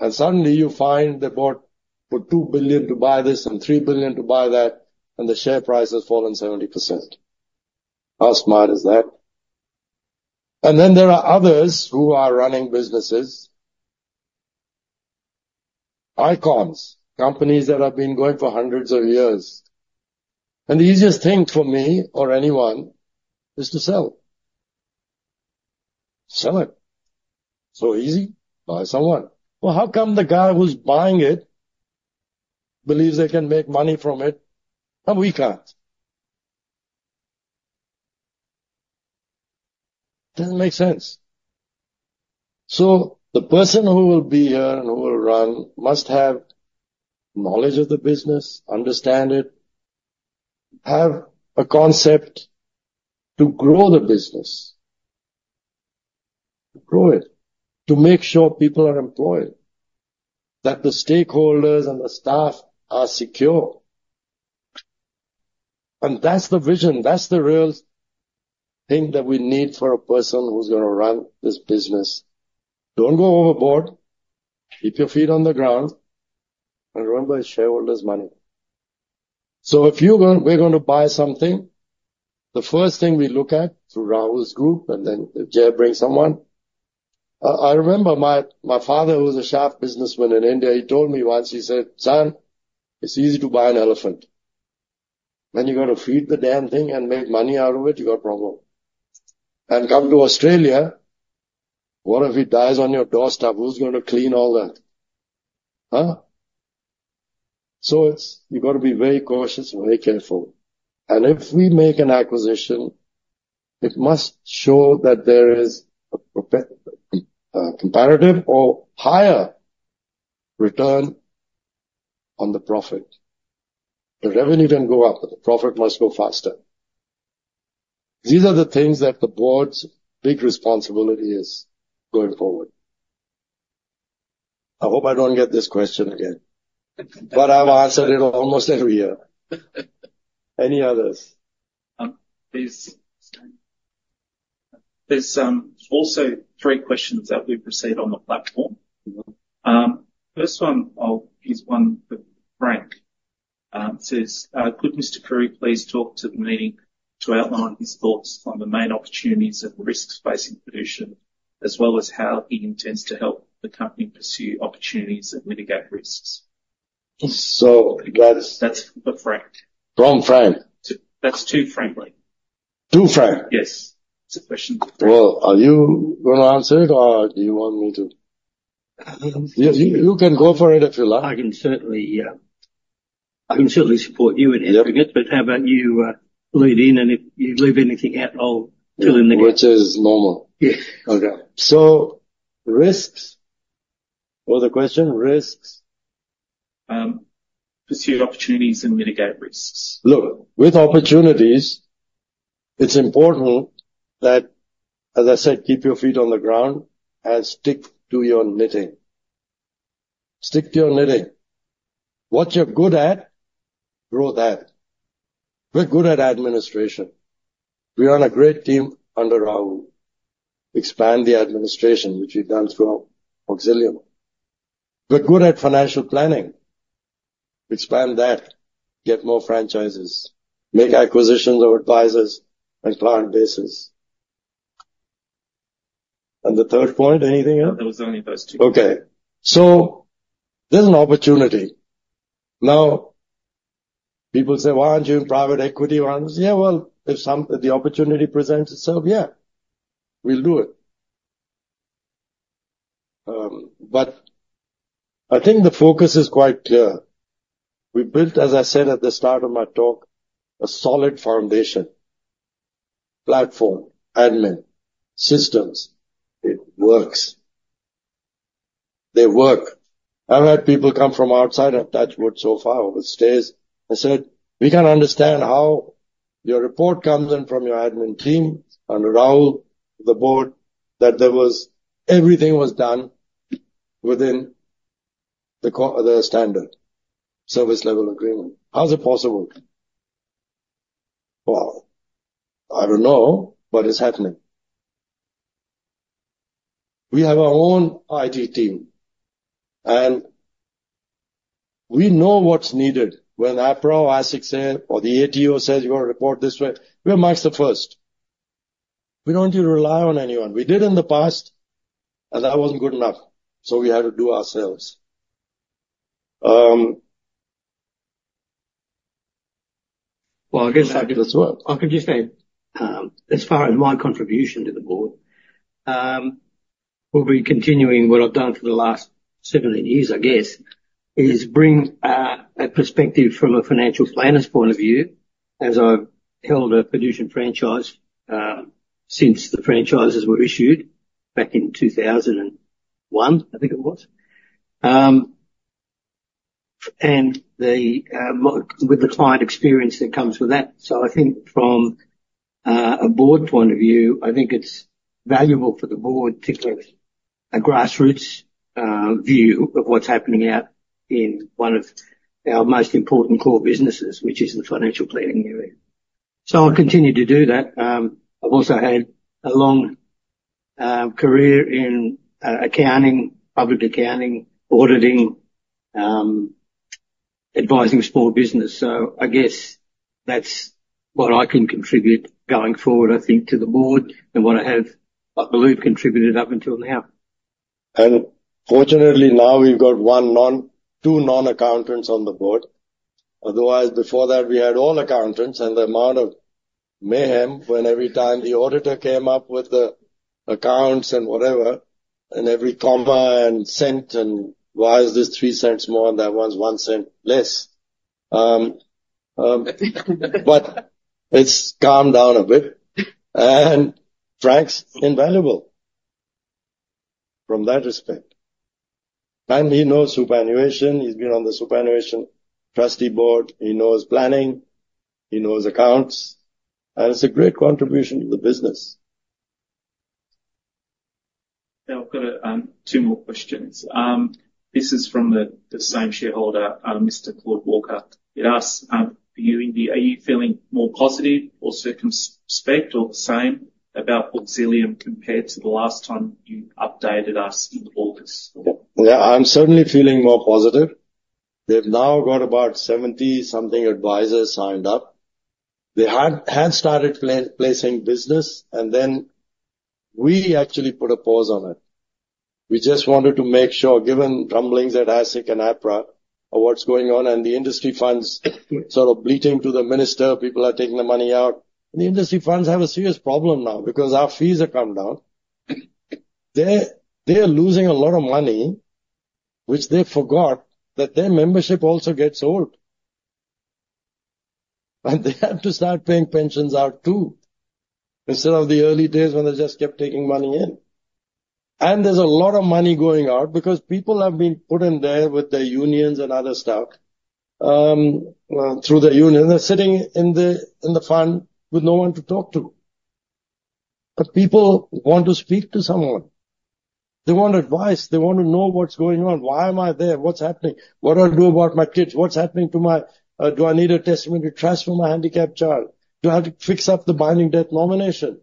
And suddenly you find they bought for two billion to buy this and three billion to buy that, and the share price has fallen 70%. How smart is that? And then there are others who are running businesses. Icons, companies that have been going for hundreds of years. And the easiest thing for me or anyone is to sell. Sell it. So easy, buy someone. Well, how come the guy who's buying it believes they can make money from it, and we can't? Doesn't make sense. So the person who will be here and who will run must have knowledge of the business, understand it, have a concept to grow the business, to grow it, to make sure people are employed, that the stakeholders and the staff are secure. And that's the vision, that's the real thing that we need for a person who's gonna run this business. Don't go overboard. Keep your feet on the ground, and remember, it's shareholders' money. So if you're gonna, we're gonna buy something, the first thing we look at, through Rahul's group, and then if Jay brings someone. I remember my father, who was a sharp businessman in India, he told me once, he said, "Son, it's easy to buy an elephant. When you got to feed the damn thing and make money out of it, you got a problem." And come to Australia, what if it dies on your doorstep? Who's gonna clean all that? Huh? It's, you've got to be very cautious and very careful. If we make an acquisition, it must show that there is a proper comparative or higher return on the profit. The revenue don't go up, but the profit must go faster. These are the things that the board's big responsibility is going forward. I hope I don't get this question again, but I've answered it almost every year. Any others? There's also three questions that we've received on the platform. Mm-hmm. First one is one for Frank. Says, "Could Mr. Khouri please talk to the meeting to outline his thoughts on the main opportunities and risks facing Fiducian, as well as how he intends to help the company pursue opportunities and mitigate risks? So that is. That's for Frank. From Frank? That's to frankly. To Frank? Yes. It's a question to Frank. Are you gonna answer it or do you want me to? You can go for it if you like. I can certainly, yeah, I can certainly support you in answering, But how about you, lead in, and if you leave anything out, I'll fill in the gap. Which is normal. Yes. Okay, so risks, what was the question? Risks? Pursue opportunities and mitigate risks. Look, with opportunities, it's important that, as I said, keep your feet on the ground and stick to your knitting. Stick to your knitting. What you're good at, grow that. We're good at administration. We run a great team under Rahul. Expand the administration, which we've done through Auxilium. We're good at financial planning. Expand that, get more franchises, make acquisitions of advisors and client bases. And the third point, anything else? There was only those two. Okay. So there's an opportunity. Now, people say, "Why aren't you in private equity? Why aren't you..." Yeah, well, if the opportunity presents itself, yeah, we'll do it. But I think the focus is quite clear. We built, as I said at the start of my talk, a solid foundation, platform, admin, systems. It works. They work. I've had people come from outside, and touch wood so far it stays, and said, "We can understand how your report comes in from your admin team, under Rahul, the board. Everything was done within the standard service level agreement. How is it possible?" "Well, I don't know, but it's happening." We have our own IT team, and we know what's needed. When APRA or ASIC say, or the ATO says, "You want to report this way," we are the first. We don't need to rely on anyone. We did in the past, and that wasn't good enough, so we had to do ourselves. I guess I could just say, as far as my contribution to the board, we'll be continuing what I've done for the last 17 years, I guess, is bring a perspective from a financial planner's point of view, as I've held a Fiducian franchise since the franchises were issued back in two thousand and one, I think it was. And with the client experience that comes with that. So I think from a board point of view, I think it's valuable for the board to get a grassroots view of what's happening out in one of our most important core businesses, which is the financial planning area. So I'll continue to do that. I've also had a long career in accounting, public accounting, auditing, advising small business. So I guess that's what I can contribute going forward, I think, to the board, and what I have, I believe, contributed up until now. And fortunately, now we've got two non-accountants on the board. Otherwise, before that, we had all accountants, and the amount of mayhem when every time the auditor came up with the accounts and and every company and cent, and why is this three cents more and that one's one cent less? But it's calmed down a bit, and Frank's invaluable from that respect. And he knows superannuation. He's been on the superannuation trustee board. He knows planning, he knows accounts, and it's a great contribution to the business. Now, I've got two more questions. This is from the same shareholder, Mr. Claude Walker. He asks, are you feeling more positive or circumspect or the same about Auxilium compared to the last time you updated us in August? Yeah, I'm certainly feeling more positive. They've now got about seventy something advisors signed up. They had started placing business, and then we actually put a pause on it. We just wanted to make sure, given rumblings at ASIC and APRA of what's going on, and the industry funds sort of bleating to the minister, people are taking their money out. And the industry funds have a serious problem now because our fees have come down. They are losing a lot of money, which they forgot that their membership also gets old, and they have to start paying pensions out, too, instead of the early days when they just kept taking money in. And there's a lot of money going out because people have been put in there with their unions and other stuff, through their union. They're sitting in the fund with no one to talk to. But people want to speak to someone. They want advice. They want to know what's going on, why am I there? What's happening? What do I do about my kids? Do I need a testament to trust for my handicapped child? Do I have to fix up the binding death nomination?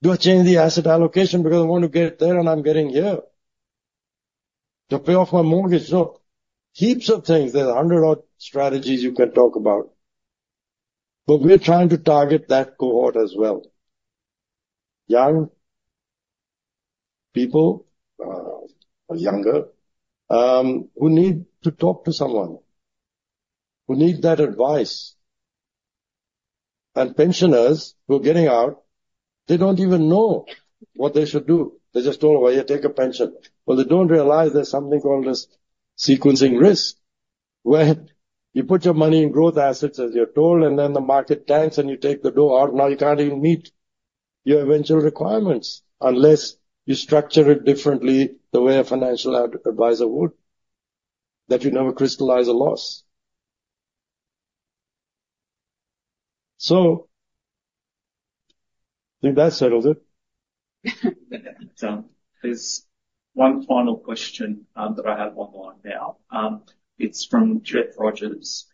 Do I change the asset allocation because I want to get there and I'm getting here? To pay off my mortgage. Look, heaps of things. There's 100-odd strategies you can talk about, but we're trying to target that cohort as well. Young people, or younger, who need to talk to someone, who need that advice. And pensioners who are getting out, they don't even know what they should do. They're just told, "Well, you take a pension." Well, they don't realize there's something called as sequencing risk, where you put your money in growth assets, as you're told, and then the market tanks and you take the dough out, and now you can't even meet your eventual requirements. Unless you structure it differently, the way a financial advisor would, that you never crystallize a loss. So I think that settles it. There's one final question that I have online now. It's from Jeff Rogers.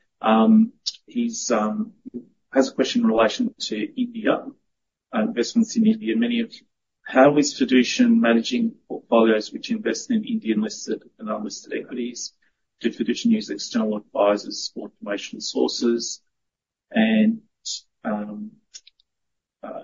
He has a question in relation to India investments in India. How is Fiducian managing portfolios which invest in Indian listed and unlisted equities? Did Fiducian use external advisors for information sources? And,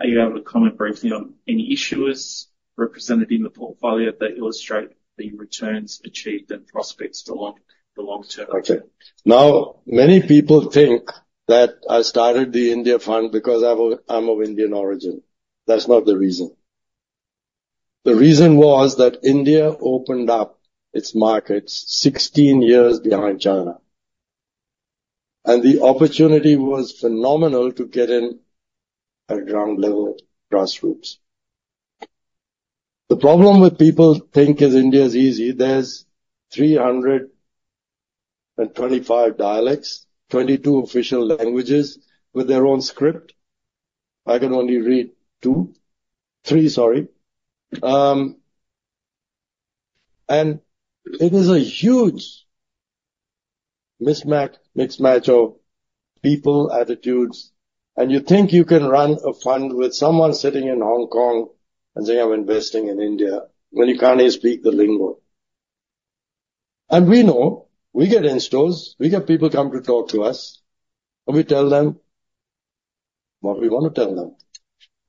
are you able to comment briefly on any issuers represented in the portfolio that illustrate the returns achieved and prospects for the long term? Okay. Now, many people think that I started the India fund because I'm of, I'm of Indian origin. That's not the reason. The reason was that India opened up its markets 16 years behind China, and the opportunity was phenomenal to get in at ground level, grassroots. The problem with people think is India is easy. There's 325 dialects, 22 official languages with their own script. I can only read two, three, sorry. And it is a huge mismatch of people, attitudes, and you think you can run a fund with someone sitting in Hong Kong and saying, "I'm investing in India," when you can't even speak the lingo, and we know. We get instos, we get people come to talk to us, and we tell them what we want to tell them.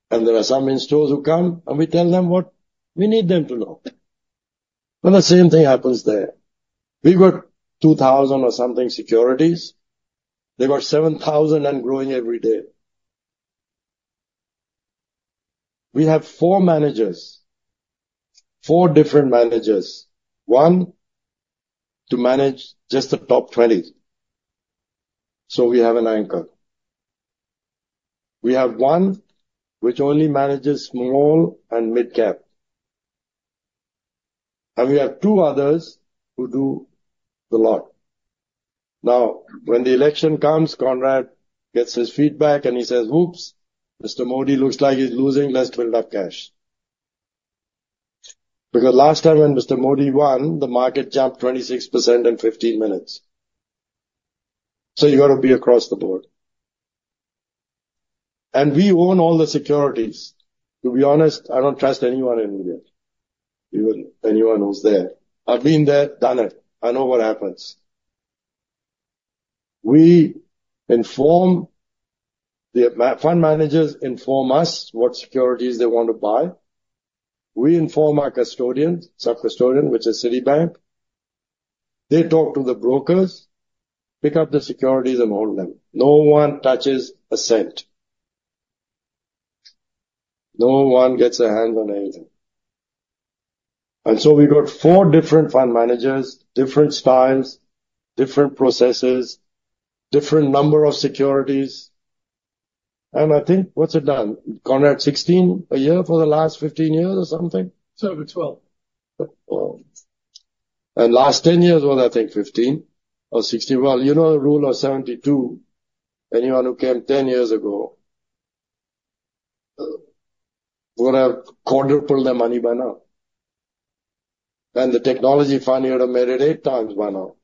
And there are some instos who come, and we tell them what we need them to know. Well, the same thing happens there. We've got 2,000 or something securities. They've got 7,000 and growing every day. We have 4 managers, 4 different managers, one to manage just the top twenties, so we have an anchor. We have one which only manages small and mid-cap, and we have two others who do the lot. Now, when the election comes, Conrad gets his feedback, and he says, "Oops, Mr. Modi looks like he's losing. Let's build up cash." Because last time when Mr. Modi won, the market jumped 26% in 15 minutes. So you got to be across the board. And we own all the securities. To be honest, I don't trust anyone in India, even anyone who's there. I've been there, done it. I know what happens. We inform the fund managers [they] inform us what securities they want to buy. We inform our custodian, sub-custodian, which is Citibank. They talk to the brokers, pick up the securities, and hold them. No one touches a cent. No one gets a hand on anything. And so we got four different fund managers, different styles, different processes, different number of securities, and I think, what's it done? Conrad, sixteen a year for the last fifteen years or something? Seven to twelve. The last 10 years was, I think, 15 or 16. You know, the rule of 72, anyone who came 10 years ago would have quadrupled their money by now. The technology fund here have made it 8x by now.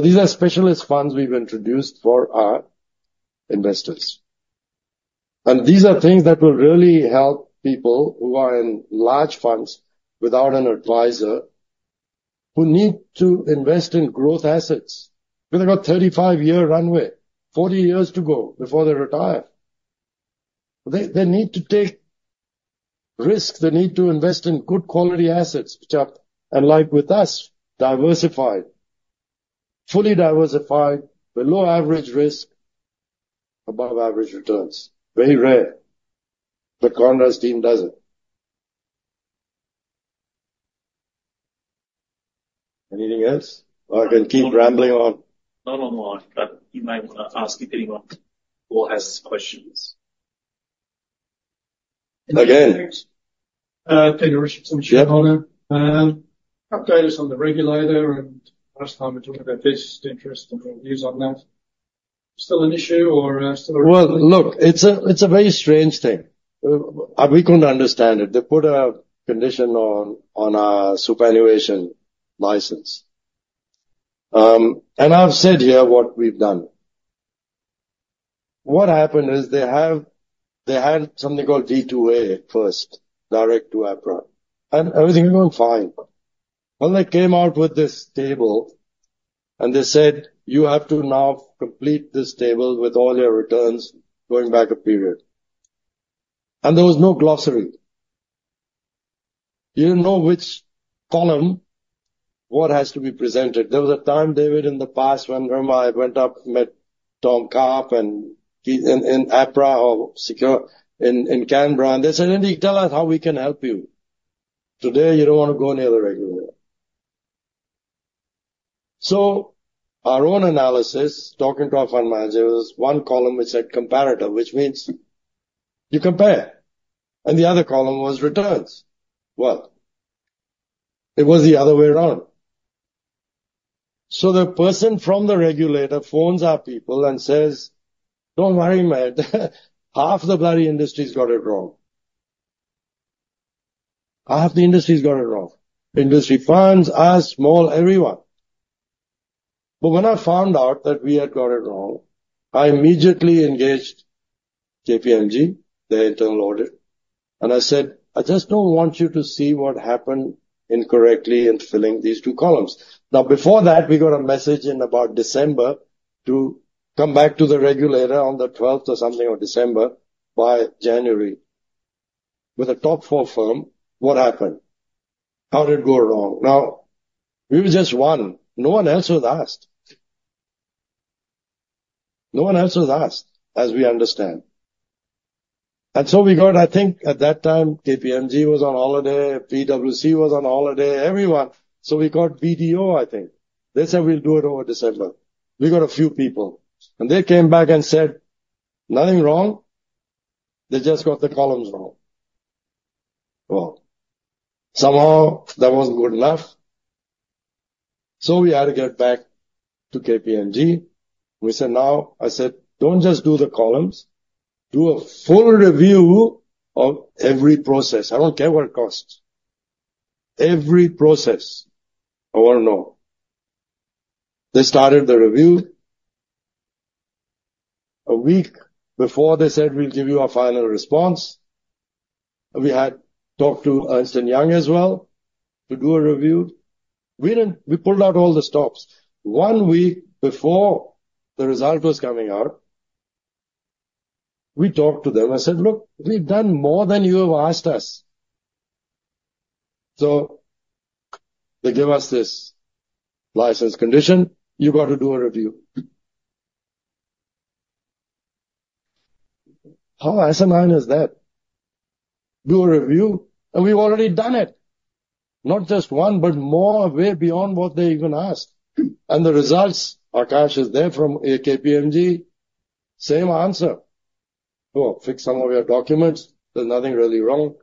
These are specialist funds we've introduced for our investors, and these are things that will really help people who are in large funds without an advisor, who need to invest in growth assets. They've got 35-year runway, 40 years to go before they retire. They need to take risks. They need to invest in good quality assets, which are, and like with us, diversified. Fully diversified, but low average risk, above average returns. Very rare, but Conrad's team does it. Anything else? Or I can keep rambling on. Not online, but you may want to ask if anyone who has questions. Again. Richard, update us on the regulator, and last time we talked about this, the interest and your views on that. Look, it's a, it's a very strange thing. We couldn't understand it. They put a condition on our superannuation license, and I've said here what we've done. What happened is they had something called D2A first, Direct to APRA, and everything went fine. They came out with this table, and they said, "You have to now complete this table with all your returns going back a period." And there was no glossary. You didn't know which column, what has to be presented. There was a time, David, in the past when Irma and I went up, met Tom Karp in APRA or ASIC in Canberra, and they said, "Indy, tell us, how we can help you?" Today, you don't want to go near the regulator. So, our own analysis, talking to our fund manager, was one column which said, comparator, which means you compare, and the other column was returns. Well, it was the other way around. So the person from the regulator phones our people and says, "Don't worry, mate. Half the bloody industry's got it wrong." Half the industry's got it wrong. Industry funds, us, small, everyone. But when I found out that we had got it wrong, I immediately engaged KPMG. They turned order, and I said, "I just don't want you to see what happened incorrectly in filling these two columns." Now, before that, we got a message in about December to come back to the regulator on the twelfth or something of December by January. With the top four firm, what happened? How did it go wrong? Now, we were just one. No one else was asked. No one else was asked, as we understand, and I think at that time, KPMG was on holiday, PwC was on holiday, everyone, so we got BDO, I think. They said, "We'll do it over December." We got a few people, and they came back and said, "Nothing wrong. They just got the columns wrong," well, somehow that wasn't good enough, so we had to get back to KPMG. We said, "Now," I said, "don't just do the columns. Do a full review of every process. I don't care what it costs. Every process, I want to know." They started the review. A week before, they said, "We'll give you our final response." We had talked to Ernst & Young as well to do a review. We pulled out all the stops. One week before the result was coming out, we talked to them and said, "Look, we've done more than you have asked us." So they gave us this license condition. You've got to do a review. How asinine is that? Do a review, and we've already done it. Not just one, but more way beyond what they even asked. And the results, Akash is there from KPMG. Same answer. "Well, fix some of your documents. There's nothing really wrong."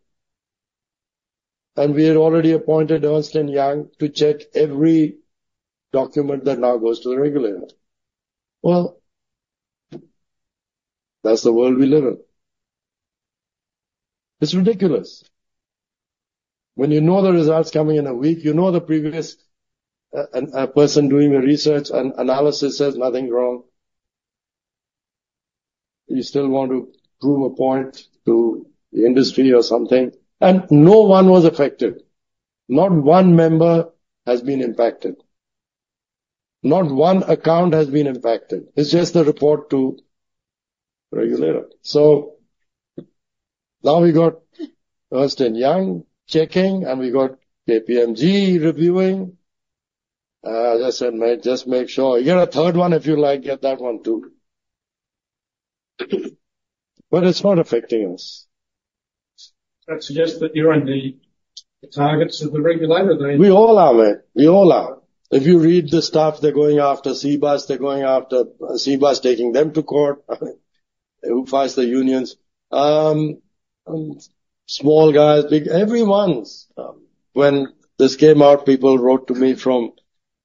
And we had already appointed Ernst & Young to check every document that now goes to the regulator. Well, that's the world we live in. It's ridiculous. When you know the result's coming in a week, you know the previous person doing the research and analysis says nothing wrong, you still want to prove a point to the industry or something. And no one was affected. Not one member has been impacted. Not one account has been impacted. It's just a report to regulator. So now we got Ernst & Young checking, and we got KPMG reviewing. As I said, mate, just make sure. You get a third one if you like, get that one, too. But it's not affecting us. I'd suggest that you're on the targets of the regulator, then. We all are, mate. We all are. If you read the stuff, they're going after Cbus. They're going after Cbus, taking them to court. Who fights the unions? And small guys, big, everyone's. When this came out, people wrote to me from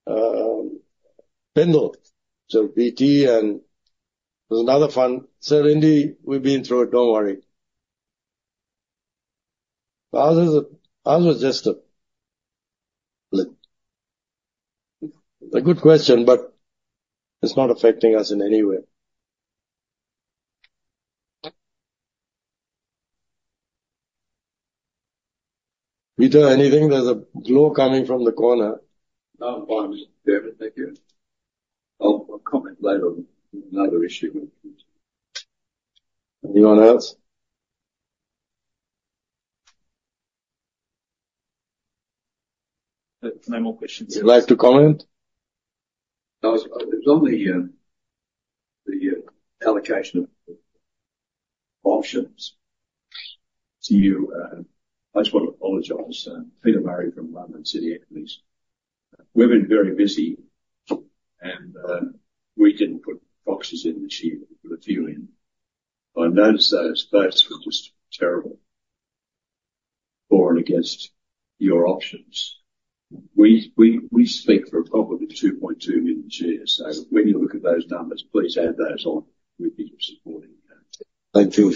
Pendal to BT, and there's another fund. "Sir Indy, we've been through it, don't worry." Ours is, ours was just a good question, but it's not affecting us in any way. Peter, anything? There's a glow coming from the corner. No, I'm there. Thank you. I'll, I'll comment later on another issue. Anyone else? No more questions. Would you like to comment? It was on the allocation of options to you. I just want to apologize. Peter Murray from London City Equities. We've been very busy, and we didn't put proxies in this year. We put a few in. I noticed those votes were just terrible, for and against your options. We speak for probably 2.2 million shares. So when you look at those numbers, please add those on. We've been supporting you. Thank you.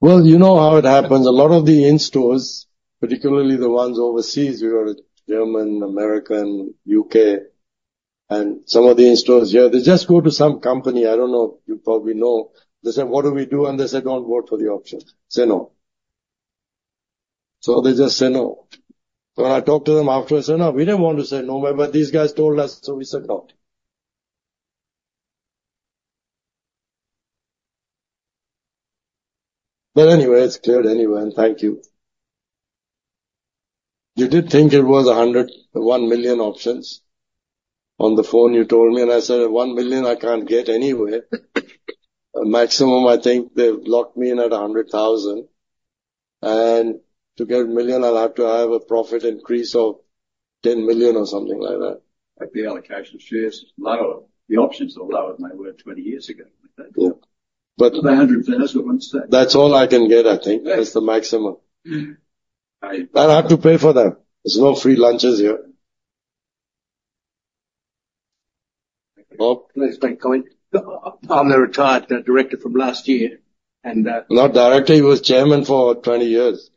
Well, you know how it happens. A lot of the in-stores, particularly the ones overseas, we got a German, American, U.K., and some of the in-stores here, they just go to some company. I don't know. You probably know. They say, "What do we do?" And they say, "Don't vote for the options. Say no." So they just say no. When I talk to them after, they say, "No, we didn't want to say no, but these guys told us, so we said no." But anyway, it's cleared anyway, and thank you. You did think it was 100, 1 million options? On the phone, you told me, and I said, "1 million, I can't get anywhere. Maximum, I think they've locked me in at 100,000, and to get a million, I'll have to have a profit increase of 10 million or something like that. But the allocation of shares is lower. The options are lower than they were 20 years ago. Yeah. But the hundred thousand, what's that? That's all I can get, I think. Yeah. That's the maximum. Mm-hmm. I have to pay for them. There's no free lunches here. Bob? May I just make a comment. I'm the retired director from last year, and, Not director, he was chairman for 20 years.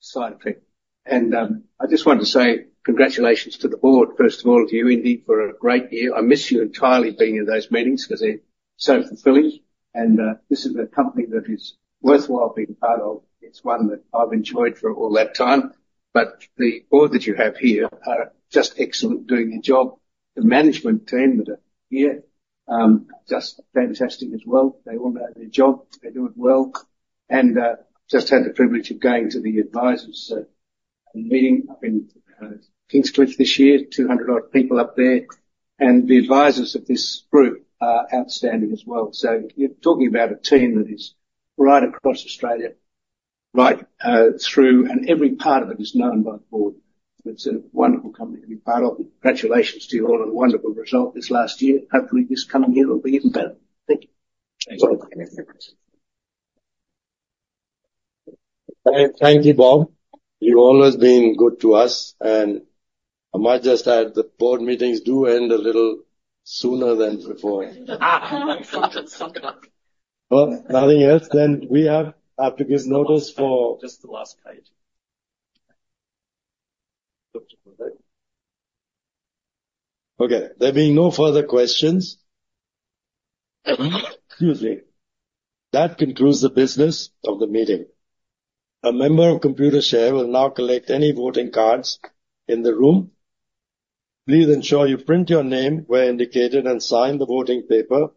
Side effect. And I just wanted to say congratulations to the board, first of all, to you, Indy, for a great year. I miss you entirely being in those meetings because they're so fulfilling. And this is a company that is worthwhile being part of. It's one that I've enjoyed for all that time, but the board that you have here are just excellent doing their job. The management team that are here just fantastic as well. They all know their job. They do it well, and just had the privilege of going to the advisors meeting up in Kingscliff this year, 200-odd people up there. And the advisors of this group are outstanding as well. So you're talking about a team that is right across Australia through, and every part of it is known by the board. It's a wonderful company to be part of. Congratulations to you all on a wonderful result this last year. Hopefully, this coming year will be even better. Thank you. Thank you. Thank you, Bob. You've always been good to us, and I might just add, the board meetings do end a little sooner than before. Ah, suck it up. Nothing else, then we have to give notice for- Just the last page. Okay. There being no further questions, excuse me, that concludes the business of the meeting. A member of Computershare will now collect any voting cards in the room. Please ensure you print your name where indicated and sign the voting paper.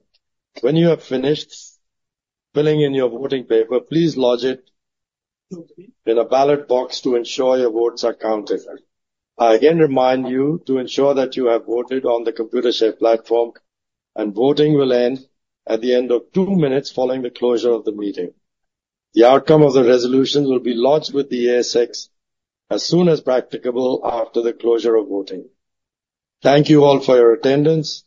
When you have finished filling in your voting paper, please lodge it in a ballot box to ensure your votes are counted. I again remind you to ensure that you have voted on the Computershare platform, and voting will end at the end of two minutes following the closure of the meeting. The outcome of the resolutions will be lodged with the ASX as soon as practicable after the closure of voting. Thank you all for your attendance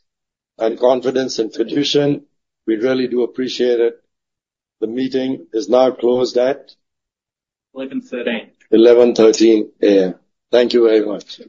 and confidence and tradition. We really do appreciate it. The meeting is now closed. Eleven thirteen. 11:13 A.M. Thank you very much.